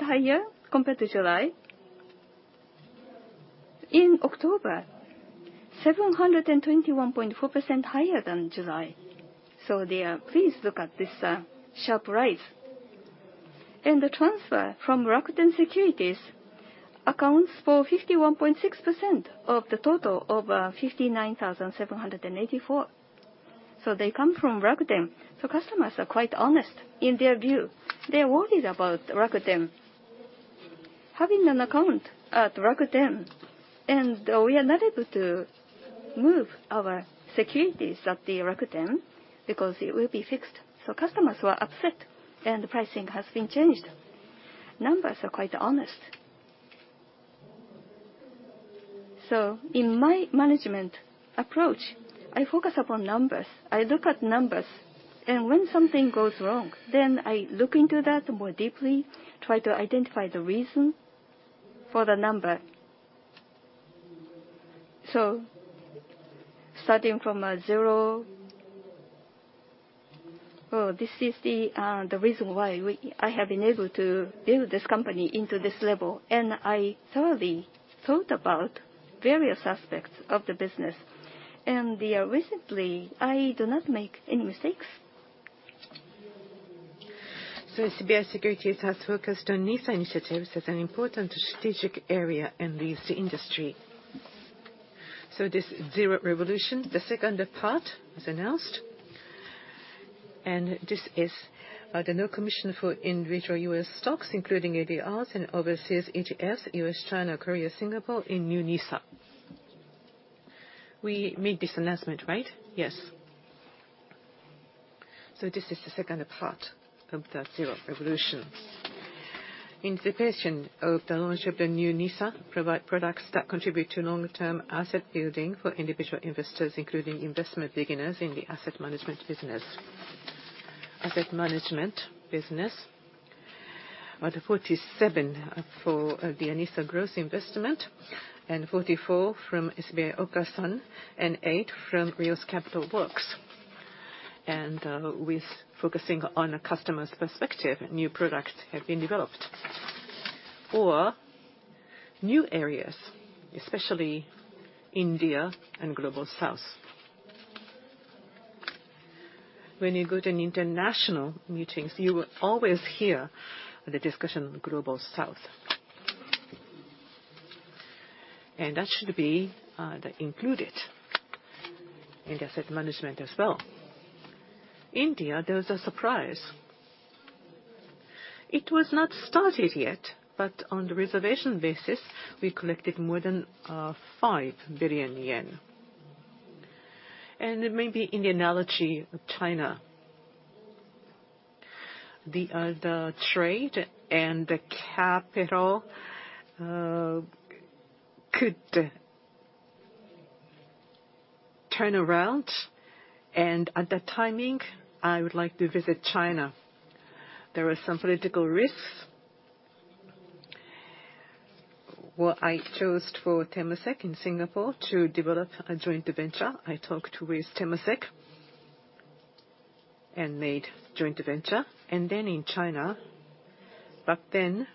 higher compared to July. In October, 721.4% higher than July. So there, please look at this sharp rise. And the transfer from Rakuten Securities accounts for 51.6% of the total of 59,784. So they come from Rakuten. So customers are quite honest in their view. They are worried about Rakuten. Having an account at Rakuten, we are not able to move our securities at Rakuten because it will be fixed. So customers were upset, and the pricing has been changed. Numbers are quite honest. So in my management approach, I focus upon numbers. I look at numbers, and when something goes wrong, then I look into that more deeply, try to identify the reason for the number. So starting from zero. Oh, this is the reason why we—I have been able to build this company into this level, and I thoroughly thought about various aspects of the business. And recently, I do not make any mistakes. So SBI Securities has focused on NISA initiatives as an important strategic area in the industry. So this Zero Revolution, the second part was announced, and this is the no commission for individual U.S. stocks, including ADRs and overseas ETFs, U.S., China, Korea, Singapore, in new NISA. We made this announcement, right? Yes. So this is the second part of the Zero Revolution. In anticipation of the launch of the new NISA, provide products that contribute to long-term asset building for individual investors, including investment beginners in the asset management business. Asset management business, 47 for the NISA growth investment and 44 from SBI Okasan and eight from Rheos Capital Works. And with focusing on a customer's perspective, new products have been developed. For new areas, especially India and Global South. When you go to international meetings, you will always hear the discussion, Global South. That should be included in asset management as well. India, there was a surprise. It was not started yet, but on the reservation basis, we collected more than 5 billion yen. It may be in the analogy of China. The trade and the capital could turn around, and at that timing, I would like to visit China. There were some political risks. Well, I chose for Temasek in Singapore to develop a joint venture. I talked with Temasek and made joint venture, and then in China. Back then,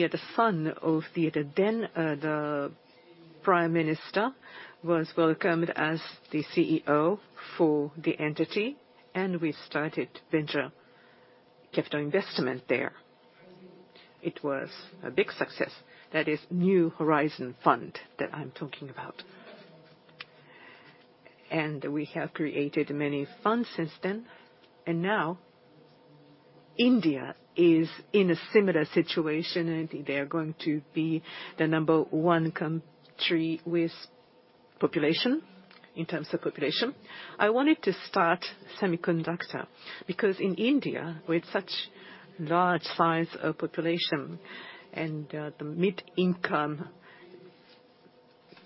the son of the then prime minister was welcomed as the CEO for the entity, and we started venture capital investment there. It was a big success. That is New Horizon Fund that I'm talking about. And we have created many funds since then, and now India is in a similar situation, and they are going to be the number one country with population, in terms of population. I wanted to start semiconductor, because in India, with such large size of population and the mid-income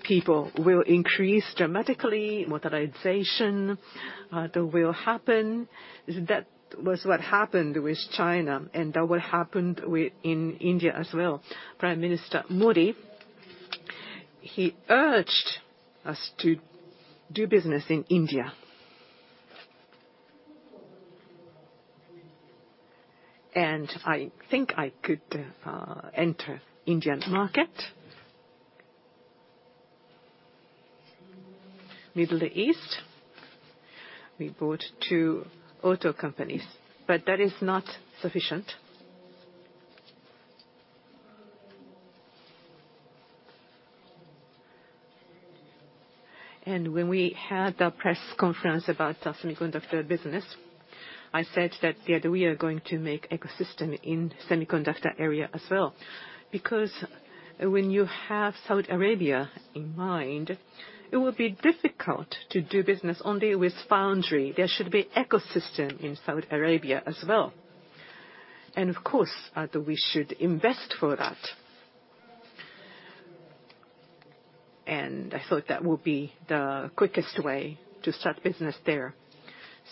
people will increase dramatically. Motorization, that will happen. That was what happened with China, and that what happened with, in India as well. Prime Minister Modi, he urged us to do business in India. And I think I could enter Indian market. Middle East, we bought two auto companies, but that is not sufficient. And when we had the press conference about our semiconductor business, I said that, that we are going to make ecosystem in semiconductor area as well. Because when you have Saudi Arabia in mind, it will be difficult to do business only with foundry. There should be ecosystem in Saudi Arabia as well. And of course, we should invest for that. And I thought that would be the quickest way to start business there.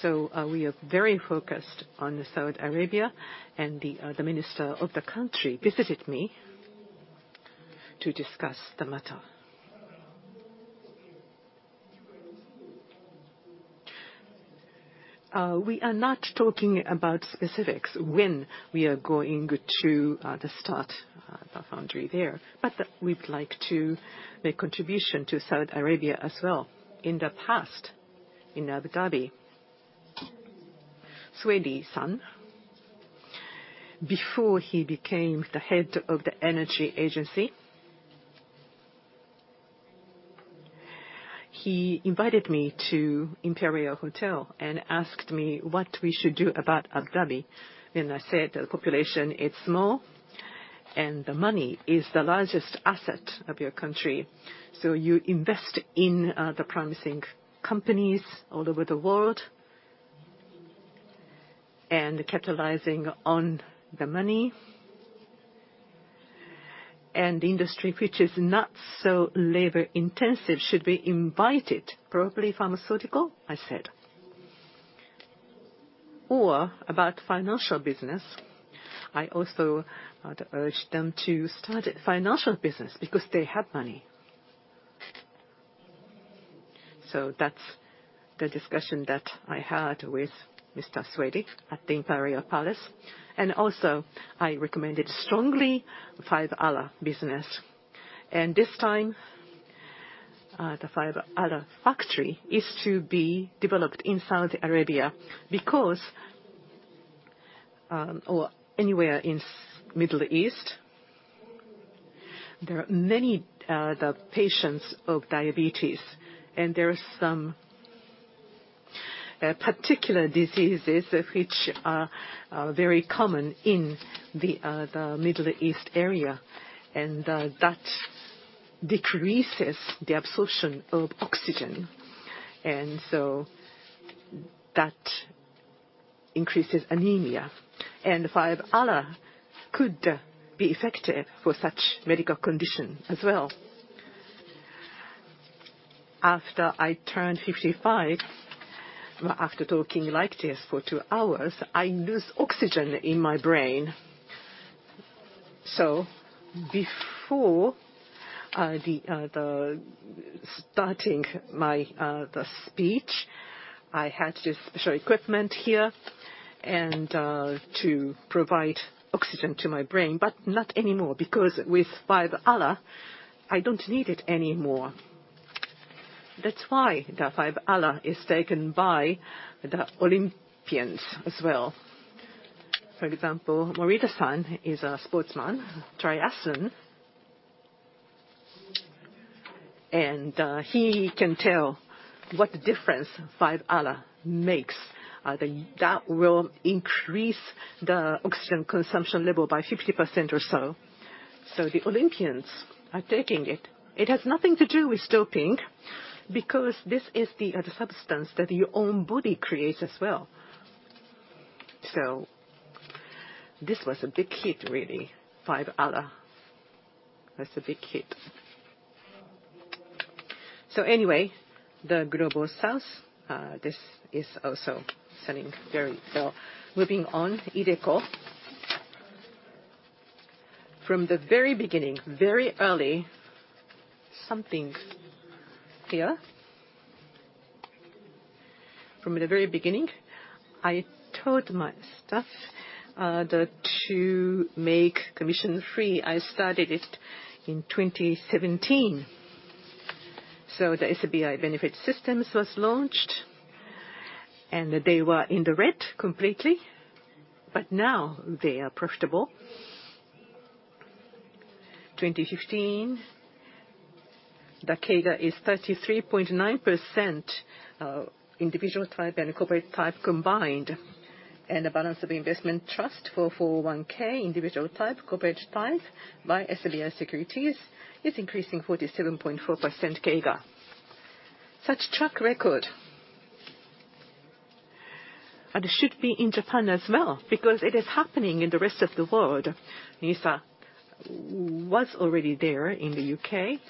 So, we are very focused on the Saudi Arabia, and the, the minister of the country visited me to discuss the matter. We are not talking about specifics, when we are going to, to start, the foundry there, but, we'd like to make contribution to Saudi Arabia as well. In the past, in Abu Dhabi, Suwaidi-san, before he became the head of the energy agency, he invited me to Imperial Hotel and asked me what we should do about Abu Dhabi. And I said, "The population is small, and the money is the largest asset of your country. So you invest in the promising companies all over the world, and capitalizing on the money. And industry, which is not so labor-intensive, should be invited. Probably pharmaceutical," I said. "Or about financial business." I also urged them to start financial business because they have money. So that's the discussion that I had with Mr. Suwaidi at the Imperial Palace, and also I recommended strongly 5-ALA business. And this time, the 5-ALA factory is to be developed in Saudi Arabia because or anywhere in Middle East, there are many the patients of diabetes, and there are some particular diseases which are very common in the Middle East area, and that decreases the absorption of oxygen, and so that increases anemia. And 5-ALA could be effective for such medical condition as well. After I turned 55, after talking like this for two hours, I lose oxygen in my brain. So before starting my speech, I had this special equipment here and to provide oxygen to my brain, but not anymore, because with 5-ALA, I don't need it anymore. That's why the 5-ALA is taken by the Olympians as well. For example, Morita San is a sportsman, triathlon. And he can tell what difference 5-ALA makes. That will increase the oxygen consumption level by 50% or so. So the Olympians are taking it. It has nothing to do with doping, because this is the substance that your own body creates as well. So this was a big hit, really, 5-ALA. That's a big hit. So anyway, the global south, this is also selling very well. Moving on, iDeCo. From the very beginning, I told my staff that to make commission-free, I started it in 2017. So the SBI Benefit Systems was launched, and they were in the red completely, but now they are profitable. 2015, the CAGR is 33.9%, individual type and corporate type combined, and the balance of the investment trust for 401(k), individual type, corporate type, by SBI Securities, is increasing 47.4% CAGR. Such track record. And it should be in Japan as well, because it is happening in the rest of the world. NISA was already there in the U.K.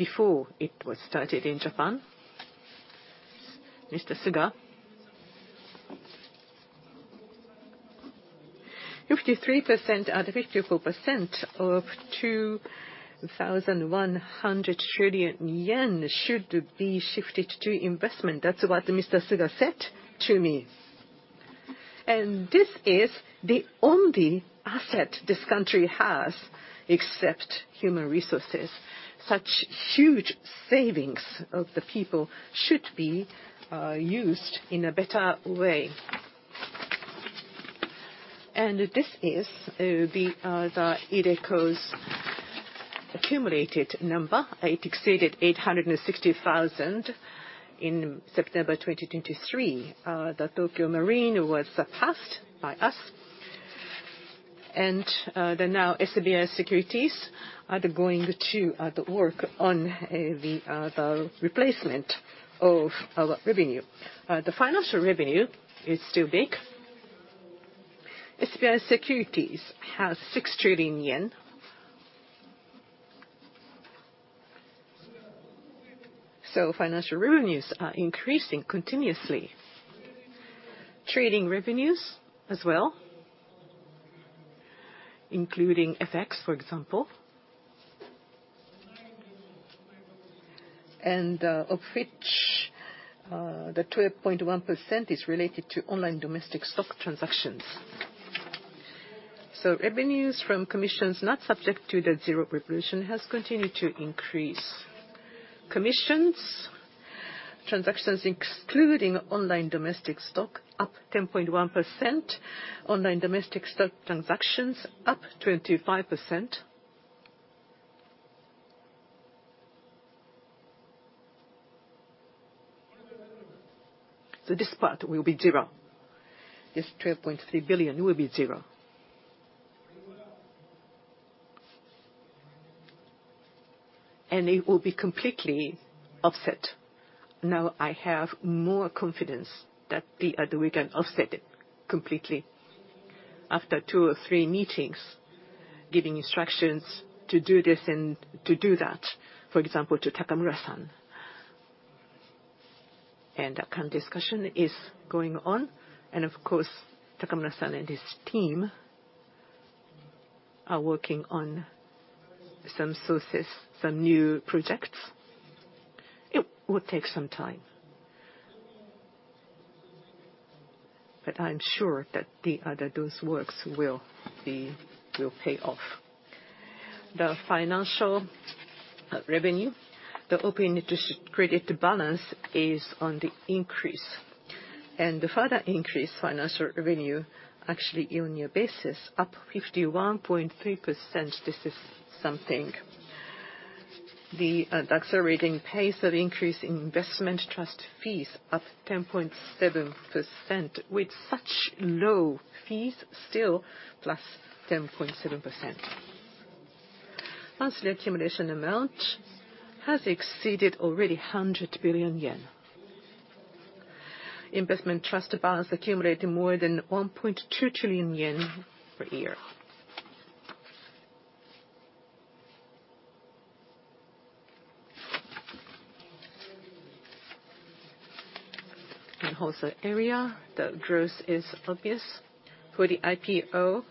before it was started in Japan. Mr. Suga, 53% out of 54% of 2,100 trillion yen should be shifted to investment. That's what Mr. Suga said to me. And this is the only asset this country has, except human resources. Such huge savings of the people should be used in a better way. And this is the iDeCo's accumulated number. It exceeded 860,000 in September 2023. The Tokio Marine was surpassed by us. And now SBI Securities are going to work on the replacement of our revenue. The financial revenue is still big. SBI Securities has JPY 6 trillion. So financial revenues are increasing continuously. Trading revenues as well, including FX, for example. And of which, the 12.1% is related to online domestic stock transactions. So revenues from commissions not subject to the Zero Revolution has continued to increase. Commissions, transactions excluding online domestic stock, up 10.1%. Online domestic stock transactions, up 25%. So this part will be zero. This 12.3 billion will be zero. And it will be completely offset. Now, I have more confidence that the we can offset it completely after two or three meetings, giving instructions to do this and to do that, for example, to Takamura-san. And that kind of discussion is going on. And of course, Takamura-san and his team are working on some sources, some new projects. It will take some time. But I'm sure that the those works will pay off. The financial revenue, the open interest credit balance is on the increase. And the further increased financial revenue, actually year-on-year basis, up 51.3%. This is something. The faster rating pace of increase in investment trust fees, up 10.7%, with such low fees still, +10.7%. Monthly accumulation amount has exceeded already 100 billion yen. Investment trust balance accumulated more than 1.2 trillion yen per year. And wholesale area, the growth is obvious. For the IPO,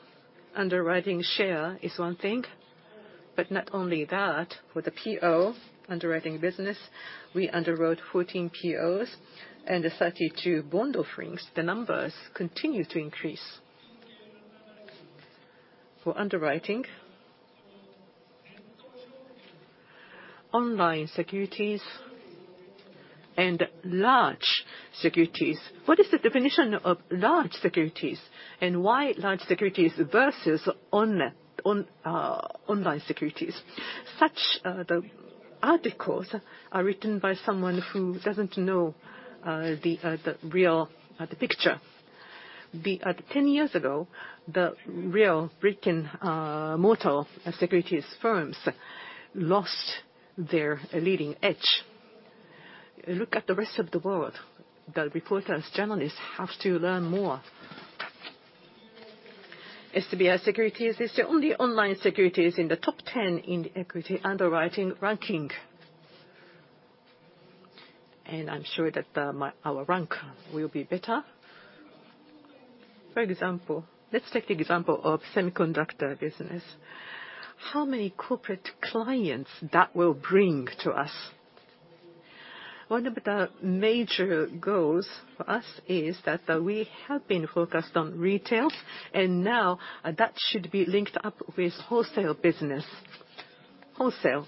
underwriting share is one thing, but not only that, for the PO underwriting business, we underwrote 14 POs and 32 bond offerings. The numbers continue to increase. For underwriting, online securities and large securities. What is the definition of large securities, and why large securities versus online securities? Such, the articles are written by someone who doesn't know, the real picture. Ten years ago, the real brick-and-mortar securities firms lost their leading edge. Look at the rest of the world. The reporters, journalists, have to learn more. SBI Securities is the only online securities in the top ten in equity underwriting ranking. And I'm sure that, our rank will be better. For example, let's take the example of semiconductor business. How many corporate clients that will bring to us? One of the major goals for us is that, we have been focused on retail, and now that should be linked up with wholesale business. Wholesale,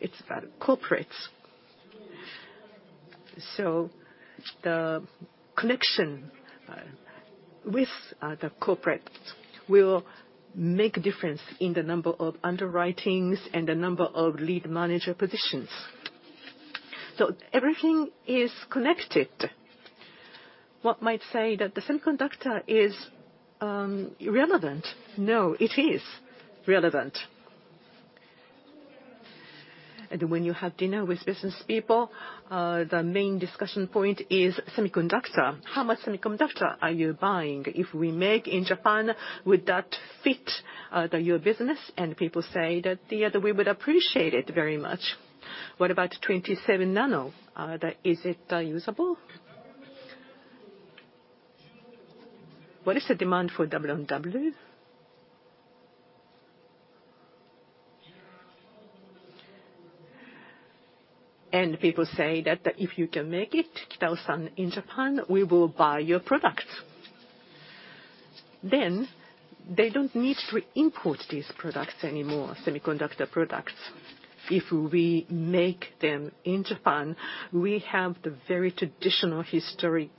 it's about corporates. So the connection, with, the corporate will make a difference in the number of underwritings and the number of lead manager positions. So everything is connected. One might say that the semiconductor is, irrelevant. No, it is relevant. And when you have dinner with business people, the main discussion point is semiconductor. "How much semiconductor are you buying? If we make in Japan, would that fit the your business?" And people say that, "Yeah, we would appreciate it very much. What about 27 nano, the, is it, usable? What is the demand for W-on-W?" And people say that, "If you can make it, Kitao-san, in Japan, we will buy your products." Then they don't need to import these products anymore, semiconductor products. If we make them in Japan, we have the very traditional, historic,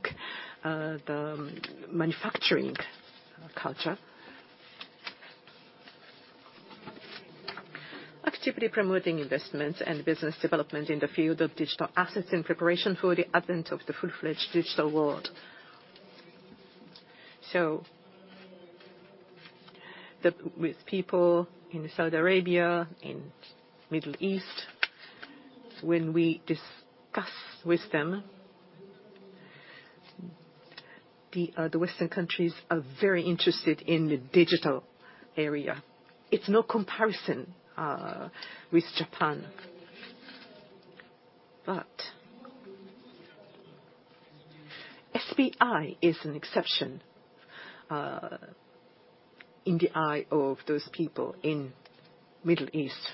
the manufacturing culture. Actively promoting investments and business development in the field of digital assets, in preparation for the advent of the full-fledged digital world. So the, with people in Saudi Arabia, in Middle East, when we discuss with them, the, the Western countries are very interested in the digital area. It's no comparison, with Japan. But SBI is an exception in the eye of those people in Middle East.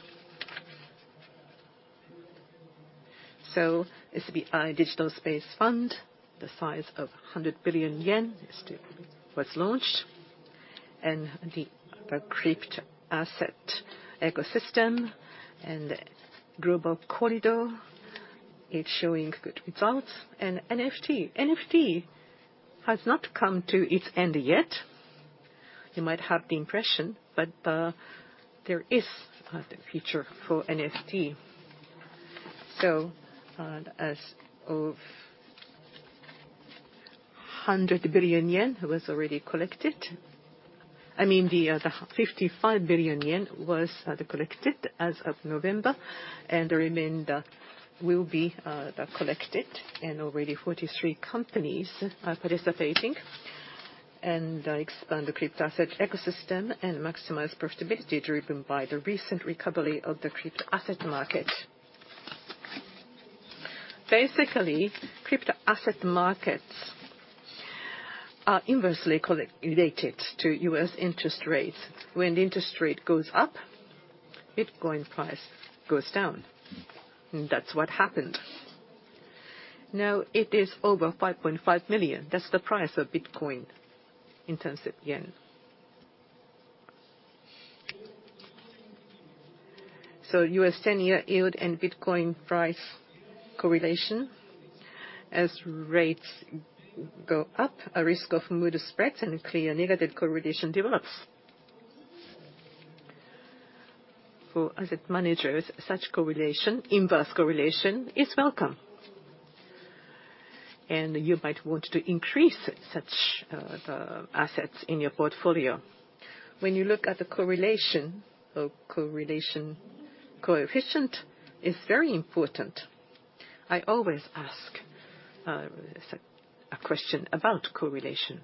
So SBI Digital Space Fund, the size of 100 billion yen, is to—was launched, and the crypto asset ecosystem and Global Corridor, it's showing good results. And NFT. NFT has not come to its end yet. You might have the impression, but there is the future for NFT. So as of 100 billion yen was already collected... I mean, the 55 billion yen was collected as of November, and the remainder will be collected, and already 43 companies are participating. And expand the crypto asset ecosystem and maximize profitability, driven by the recent recovery of the crypto asset market. Basically, crypto asset markets are inversely correlated to U.S. interest rates. When the interest rate goes up, Bitcoin price goes down, and that's what happened. Now it is over 5.5 million. That's the price of Bitcoin in terms of yen. So U.S. ten-year yield and Bitcoin price correlation. As rates go up, a risk of mood spreads, and clear negative correlation develops. For asset managers, such correlation, inverse correlation, is welcome, and you might want to increase such, the assets in your portfolio. When you look at the correlation, the correlation coefficient is very important. I always ask, a question about correlation.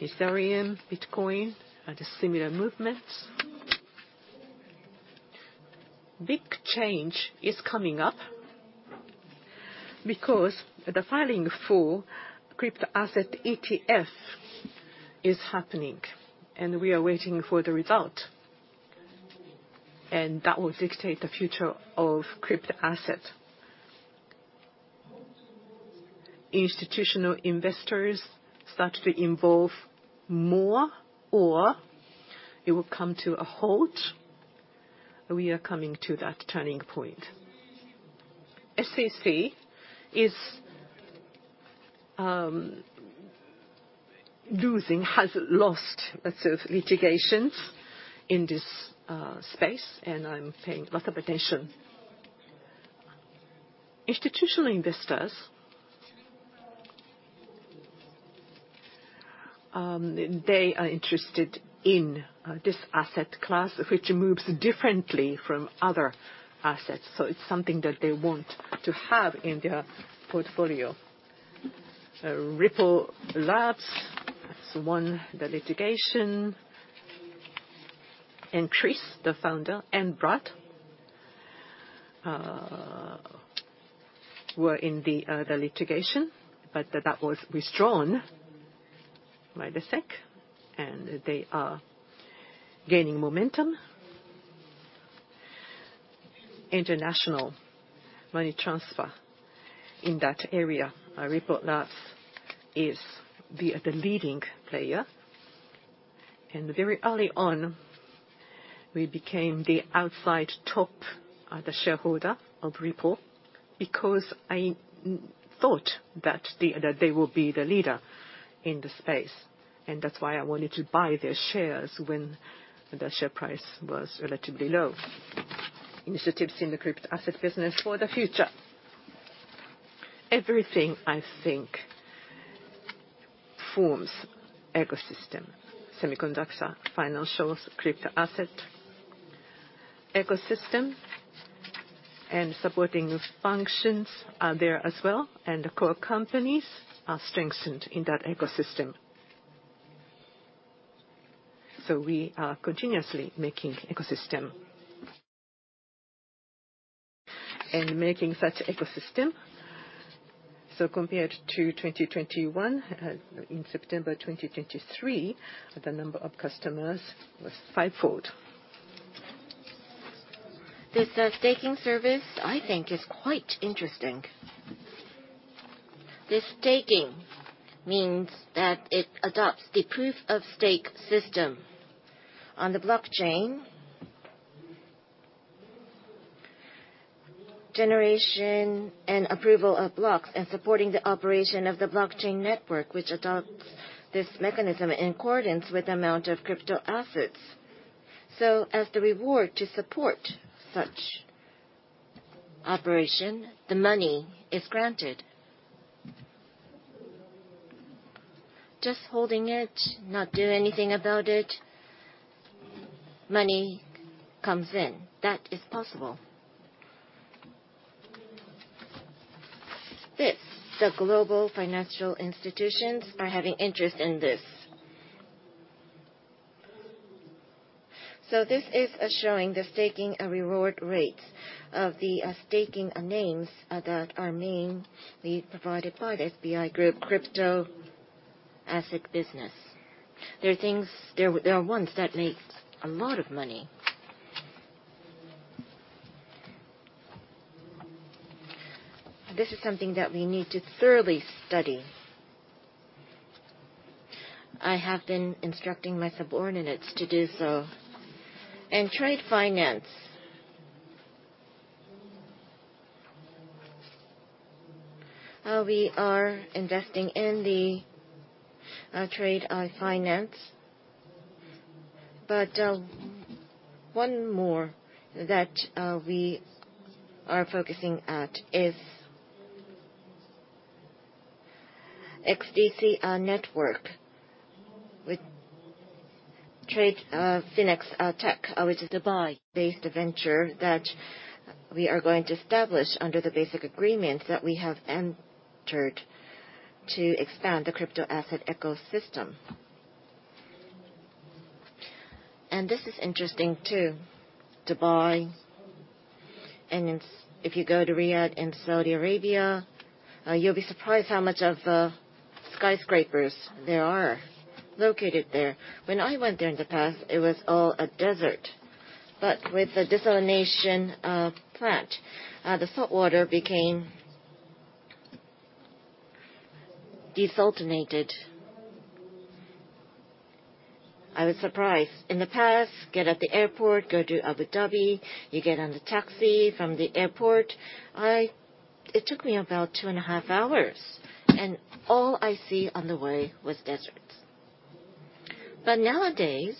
Ethereum, Bitcoin, are the similar movements. Big change is coming up because the filing for crypto asset ETF is happening, and we are waiting for the result, and that will dictate the future of crypto assets. Institutional investors start to involve more, or it will come to a halt. We are coming to that turning point. SEC is losing, has lost lots of litigations in this space, and I'm paying lots of attention. Institutional investors, they are interested in this asset class, which moves differently from other assets, so it's something that they want to have in their portfolio. Ripple Labs won the litigation. And Chris, the founder, and Brad were in the litigation, but that was withdrawn by the SEC, and they are gaining momentum. International money transfer in that area, Ripple Labs is the leading player. And very early on, we became the outside top shareholder of Ripple, because I thought that they will be the leader in the space, and that's why I wanted to buy their shares when the share price was relatively low. Initiatives in the crypto asset business for the future. Everything, I think-... forms ecosystem, semiconductor, financials, crypto asset. Ecosystem and supporting functions are there as well, and the core companies are strengthened in that ecosystem. So we are continuously making ecosystem. And making such ecosystem, so compared to 2021, in September 2023, the number of customers was fivefold. This, staking service, I think, is quite interesting. This staking means that it adopts the Proof of Stake system on the blockchain. Generation and approval of blocks and supporting the operation of the blockchain network, which adopts this mechanism in accordance with the amount of crypto assets. So as the reward to support such operation, the money is granted. Just holding it, not doing anything about it, money comes in. That is possible. This, the global financial institutions are having interest in this. So this is showing the staking reward rates of the staking names that are named we provided by the SBI Group Crypto Asset Business. There are things—there, there are ones that make a lot of money. This is something that we need to thoroughly study. I have been instructing my subordinates to do so. And trade finance. We are investing in the trade finance. But, one more that we are focusing at is XDC Network with TradeFinex, which is a Dubai-based venture that we are going to establish under the basic agreements that we have entered to expand the crypto asset ecosystem. And this is interesting, too, Dubai, and it's—if you go to Riyadh in Saudi Arabia, you'll be surprised how much of skyscrapers there are located there. When I went there in the past, it was all a desert, but with the desalination plant, the saltwater became desalted. I was surprised. In the past, get at the airport, go to Abu Dhabi, you get on the taxi from the airport. It took me about 2.5 hours, and all I see on the way was deserts. But nowadays,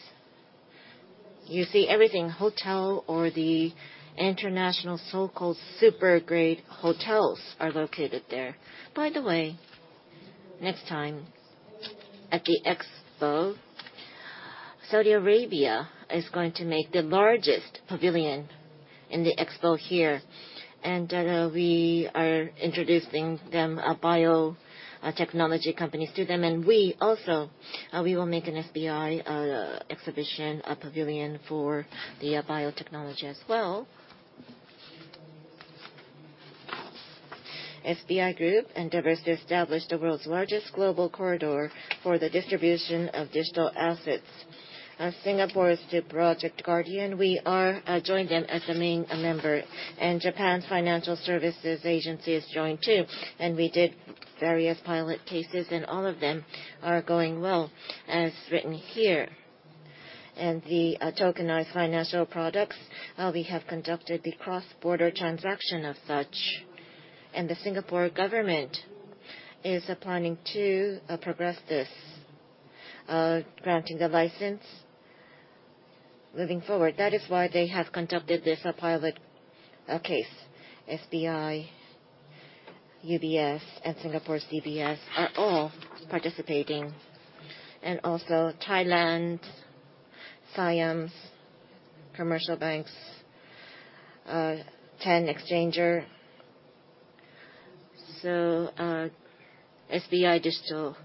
you see everything, hotel or the international so-called super grade hotels are located there. By the way, next time, at the Expo, Saudi Arabia is going to make the largest pavilion in the Expo here, and we are introducing them, a biotechnology companies to them, and we also, we will make an SBI exhibition, a pavilion for the biotechnology as well. SBI Group endeavors to establish the world's largest global corridor for the distribution of digital assets. As Singapore's to Project Guardian, we are joined in as the main member, and Japan's Financial Services Agency has joined, too, and we did various pilot cases, and all of them are going well, as written here. The tokenized financial products, we have conducted the cross-border transaction of such, and the Singapore government is planning to progress this, granting the license moving forward. That is why they have conducted this pilot case. SBI, UBS, and Singapore Cboe are all participating. Also, Thailand, Siam Commercial Bank, ten exchanger. SBI Digital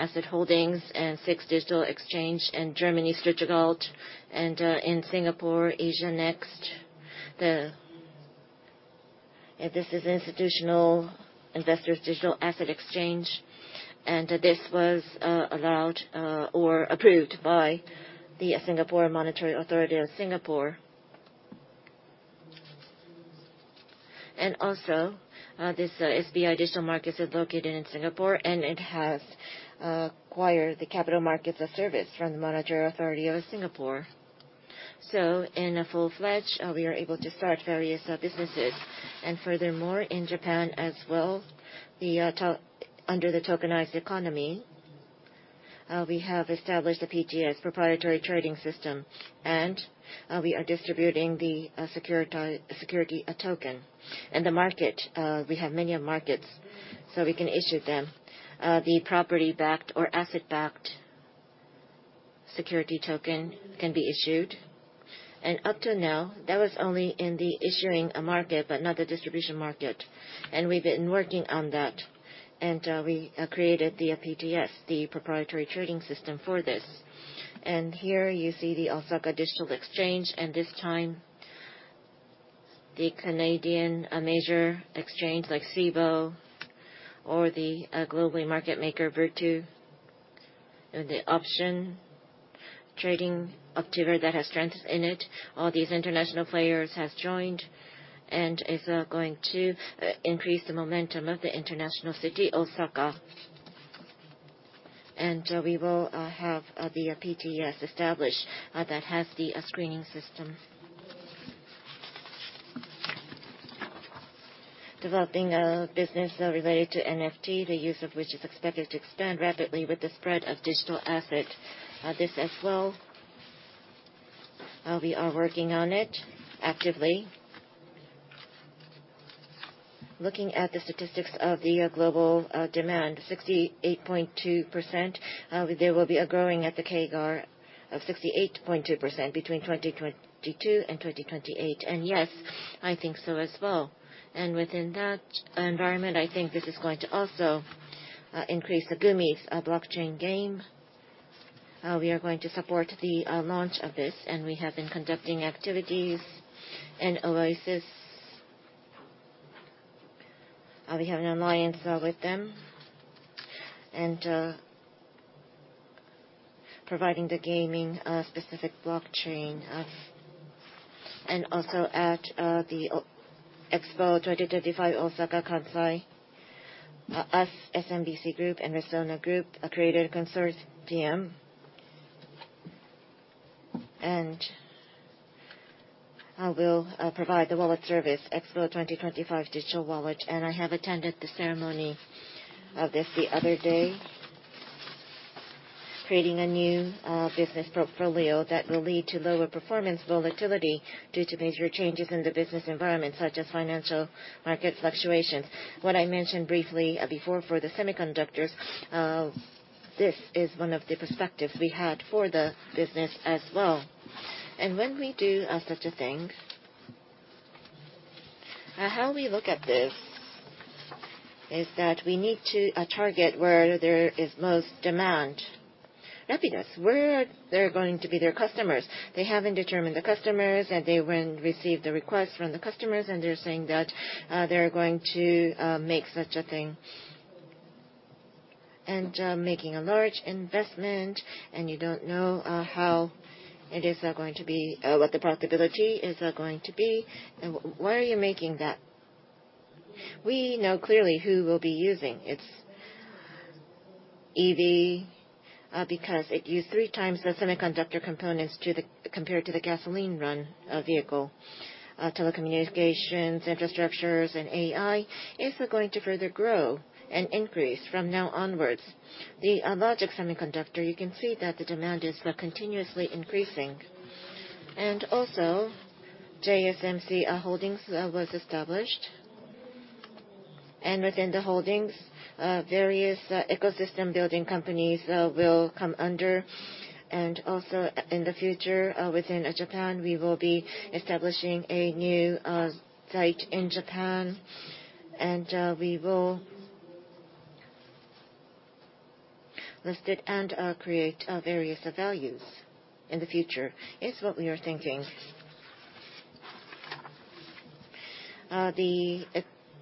Asset Holdings and SIX Digital Exchange, and Germany's Digital Gold, and in Singapore, AsiaNext. This is institutional investors digital asset exchange, and this was allowed or approved by the Monetary Authority of Singapore. Also, this SBI Digital Markets is located in Singapore, and it has acquired the capital markets services from the Monetary Authority of Singapore. So in a full-fledged, we are able to start various businesses. And furthermore, in Japan as well, under the tokenized economy, we have established the PTS, Proprietary Trading System, and we are distributing the security token. In the market, we have many markets, so we can issue them. The property-backed or asset-backed security token can be issued. And up to now, that was only in the issuing market, but not the distribution market, and we've been working on that. And we created the PTS, the Proprietary Trading System, for this. Here you see the Osaka Digital Exchange, and this time, the Canadian, a major exchange like Cboe or the globally market maker, Virtu, and the option trading Optiver that has strengths in it. All these international players has joined and is going to increase the momentum of the international city, Osaka. We will have the PTS established that has the screening system. Developing business related to NFT, the use of which is expected to expand rapidly with the spread of digital asset. This as well, we are working on it actively. Looking at the statistics of the global demand, 68.2%, there will be a growing at the CAGR of 68.2% between 2022 and 2028. Yes, I think so as well. Within that environment, I think this is going to also increase Gumi's blockchain game. We are going to support the launch of this, and we have been conducting activities in Oasys. We have an alliance with them, and providing the gaming specific blockchain. And also at the Expo 2025, Osaka, Kansai, us, SMBC Group and Resona Group, a creative consortium. And we'll provide the wallet service, Expo 2025 Digital Wallet, and I have attended the ceremony of this the other day. Creating a new business portfolio that will lead to lower performance volatility due to major changes in the business environment, such as financial market fluctuations. What I mentioned briefly before for the semiconductors, this is one of the perspectives we had for the business as well. When we do such a thing, how we look at this is that we need to target where there is most demand. Rapidus, where are there going to be their customers? They haven't determined the customers, and they went received the request from the customers, and they're saying that they're going to make such a thing. Making a large investment, and you don't know how it is going to be what the profitability is going to be, then why are you making that? We know clearly who will be using. It's EV because it use three times the semiconductor components to the compared to the gasoline-run vehicle. Telecommunications, infrastructures, and AI is going to further grow and increase from now onwards. The logic semiconductor, you can see that the demand is continuously increasing. And also, JSMC Holdings was established. And within the holdings, various ecosystem building companies will come under. And also, in the future, within Japan, we will be establishing a new site in Japan, and we will list it and create various values in the future. It's what we are thinking. The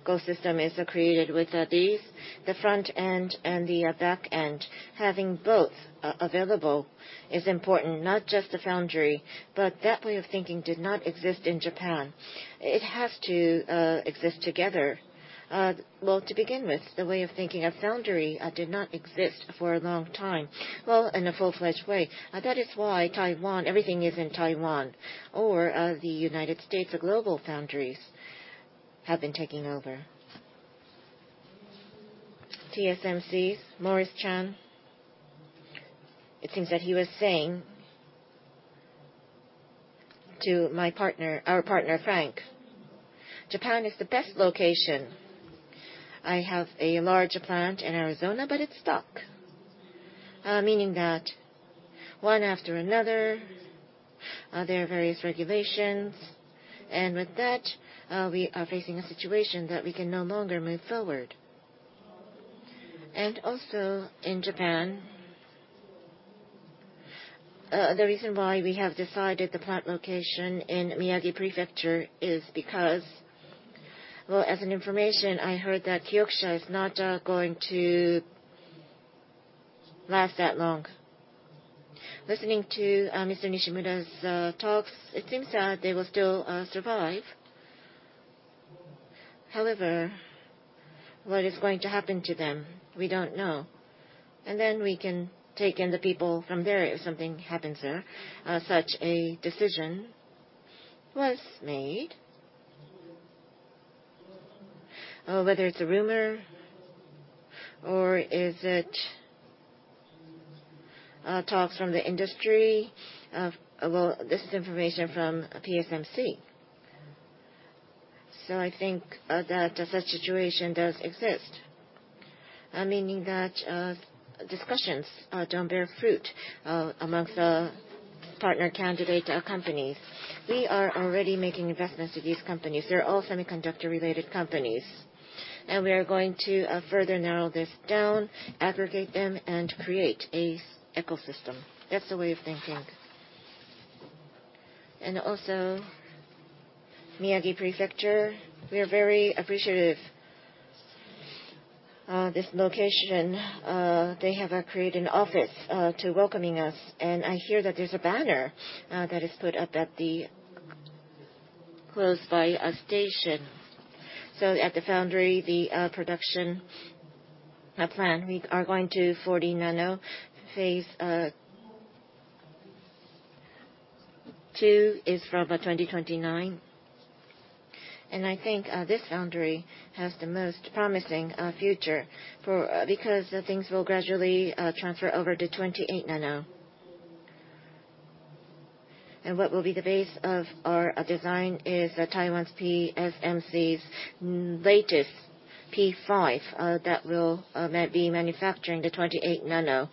ecosystem is created with these, the front end and the back end. Having both available is important, not just the foundry, but that way of thinking did not exist in Japan. It has to exist together. Well, to begin with, the way of thinking of foundry did not exist for a long time. Well, in a full-fledged way. That is why Taiwan, everything is in Taiwan or, the United States, the global foundries have been taking over. TSMC's Morris Chang, it seems that he was saying to my partner, our partner, Frank: "Japan is the best location. I have a large plant in Arizona, but it's stuck." Meaning that one after another, there are various regulations, and with that, we are facing a situation that we can no longer move forward. And also in Japan, the reason why we have decided the plant location in Miyagi Prefecture is because... Well, as an information, I heard that Kioxia is not, going to last that long. Listening to, Mr. Nishimura's, talks, it seems, they will still, survive. However, what is going to happen to them? We don't know. And then we can take in the people from there if something happens there. Such a decision was made. Oh, whether it's a rumor or is it talks from the industry? Well, this is information from PSMC. So I think that such situation does exist, meaning that discussions don't bear fruit amongst the partner candidate companies. We are already making investments in these companies. They're all semiconductor-related companies, and we are going to further narrow this down, aggregate them, and create a ecosystem. That's the way of thinking. And also, Miyagi Prefecture, we are very appreciative. This location, they have created an office to welcoming us, and I hear that there's a banner that is put up at the close by a station. So at the foundry, the production plan, we are going to 40 nano. Phase two is from 2029, and I think this foundry has the most promising future because the things will gradually transfer over to 28 nano. And what will be the base of our design is Taiwan's PSMC's latest P5 that will manufacturing the 28 nano.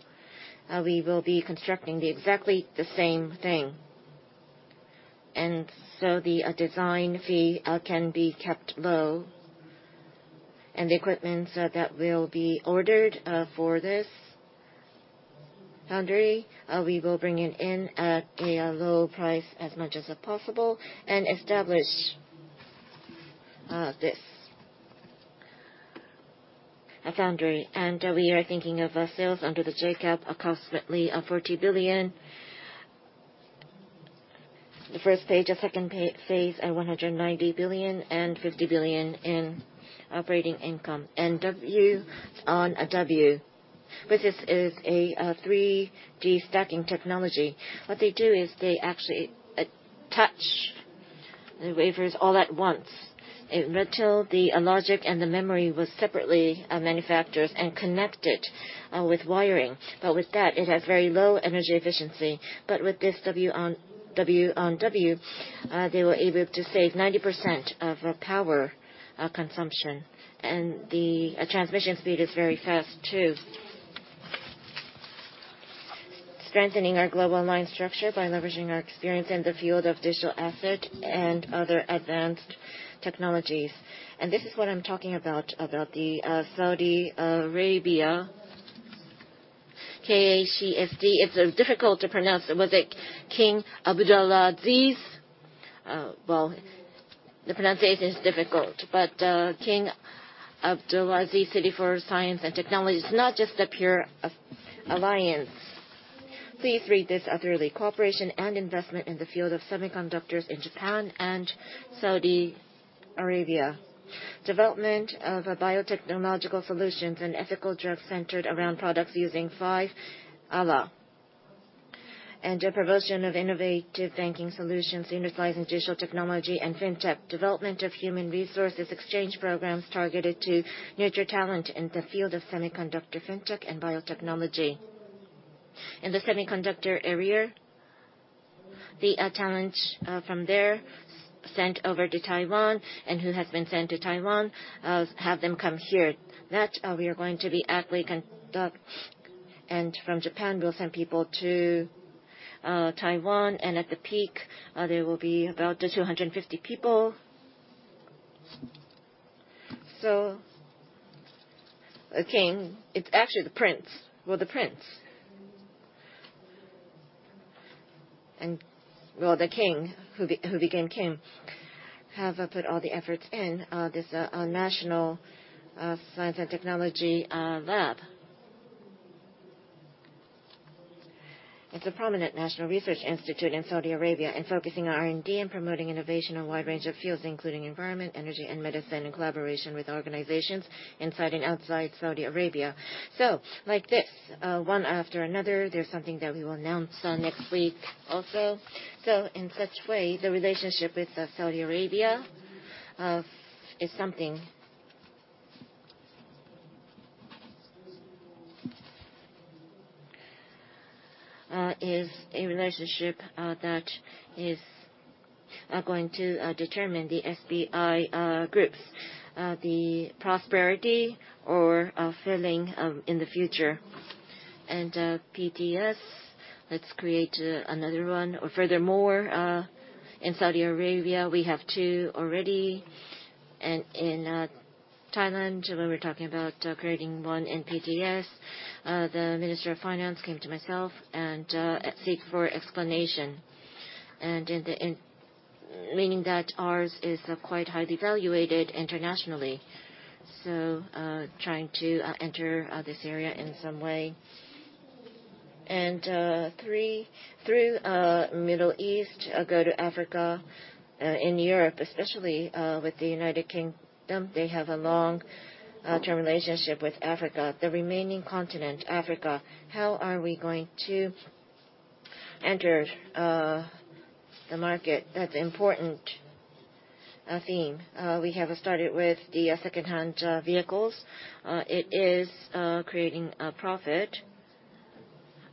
We will be constructing the exactly the same thing. And so the design fee can be kept low, and the equipments that will be ordered for this foundry, we will bring it in at a low price as much as possible and establish this a foundry. And we are thinking of sales under the J-GAAP, approximately JPY 40 billion. The first page, the second phase, one hundred and ninety billion and fifty billion in operating income. And W-on-W, which is a 3D stacking technology. What they do is they actually touch the wafers all at once. Previously, the logic and the memory were separately manufactured and connected with wiring. But with that, it has very low energy efficiency. But with this W-on-W, they were able to save 90% of power consumption, and the transmission speed is very fast, too. Strengthening our global online structure by leveraging our experience in the field of digital asset and other advanced technologies. And this is what I'm talking about, about Saudi Arabia, KACST. It's difficult to pronounce. It was like King Abdulaziz. Well, the pronunciation is difficult, but King Abdulaziz City for Science and Technology. It's not just a pure alliance. Please read this thoroughly. Cooperation and investment in the field of semiconductors in Japan and Saudi Arabia. Development of biotechnological solutions and ethical drugs centered around products using five ALA. And the promotion of innovative banking solutions utilizing digital technology and fintech. Development of human resources exchange programs targeted to nurture talent in the field of semiconductor, fintech, and biotechnology. In the semiconductor area, the talent from there sent over to Taiwan, and who has been sent to Taiwan, have them come here. That we are going to be actively conduct, and from Japan, we'll send people to Taiwan, and at the peak, there will be about 250 people. So again, it's actually the prince. Well, the prince. Well, the king, who became king, have put all the efforts in this national science and technology lab. It's a prominent national research institute in Saudi Arabia and focusing on R&D and promoting innovation in a wide range of fields, including environment, energy, and medicine, in collaboration with organizations inside and outside Saudi Arabia. So like this, one after another, there's something that we will announce next week also. So in such way, the relationship with Saudi Arabia is something... is a relationship that is going to determine the SBI groups the prosperity or failing in the future. And PTS, let's create another one. Or furthermore, in Saudi Arabia, we have two already. In Thailand, when we're talking about creating one in PTS, the Minister of Finance came to myself and seek for explanation. In the end, meaning that ours is quite highly evaluated internationally, so trying to enter this area in some way. Through Middle East, go to Africa, in Europe, especially with the United Kingdom, they have a long-term relationship with Africa. The remaining continent, Africa, how are we going to- entered the market, that's important theme. We have started with the second-hand vehicles. It is creating a profit,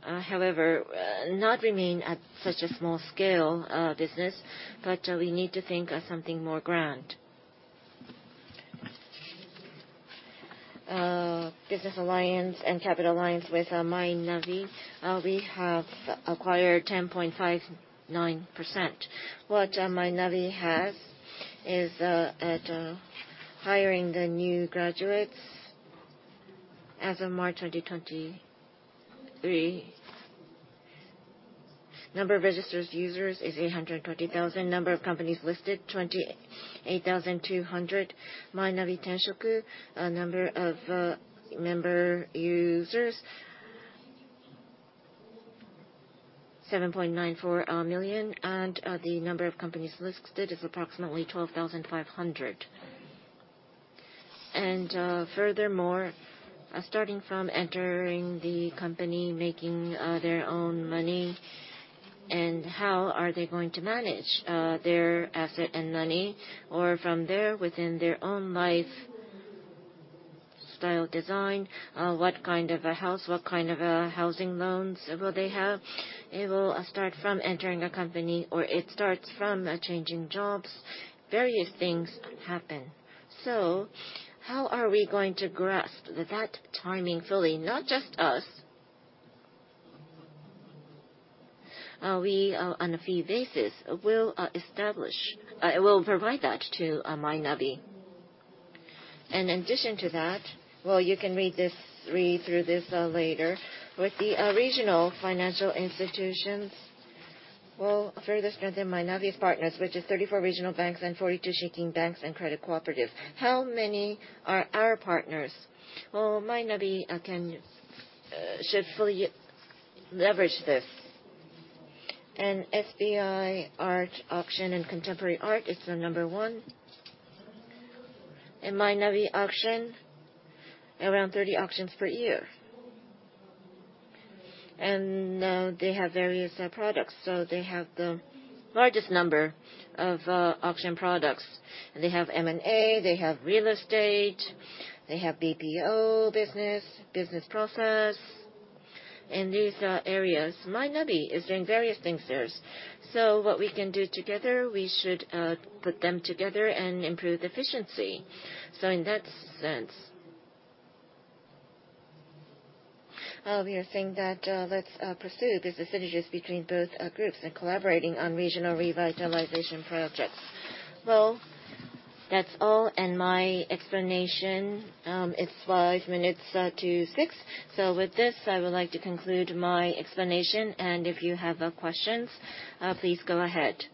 however, not remain at such a small scale business, but we need to think of something more grand. Business alliance and capital alliance with MyNavi. We have acquired 10.59%. What MyNavi has is, at hiring the new graduates as of March 2023. Number of registered users is 820,000, number of companies listed, 28,200. MyNavi Tenshoku, number of member users, 7.94 million, and the number of companies listed is approximately 12,500. And, furthermore, starting from entering the company, making their own money, and how are they going to manage their asset and money, or from there, within their own lifestyle design, what kind of a house, what kind of housing loans will they have? It will start from entering a company, or it starts from changing jobs. Various things happen. So how are we going to grasp that timing fully? Not just us. We, on a fee basis, will establish, will provide that to MyNavi. And in addition to that, well, you can read this, read through this later. With the regional financial institutions, we'll further strengthen MyNavi's partners, which is 34 regional banks and 42 Shinkin banks and credit cooperatives. How many are our partners? Well, MyNavi can should fully leverage this. And SBI Art Auction and Contemporary Art is the number one. In MyNavi Auction, around 30 auctions per year. And they have various products, so they have the largest number of auction products. They have M&A, they have real estate, they have BPO business, business process. In these areas, MyNavi is doing various things there. So what we can do together, we should put them together and improve efficiency. So in that sense, we are saying that, let's pursue this synergies between both groups and collaborating on regional revitalization projects. Well, that's all, and my explanation, it's five minutes to six. So with this, I would like to conclude my explanation, and if you have questions, please go ahead.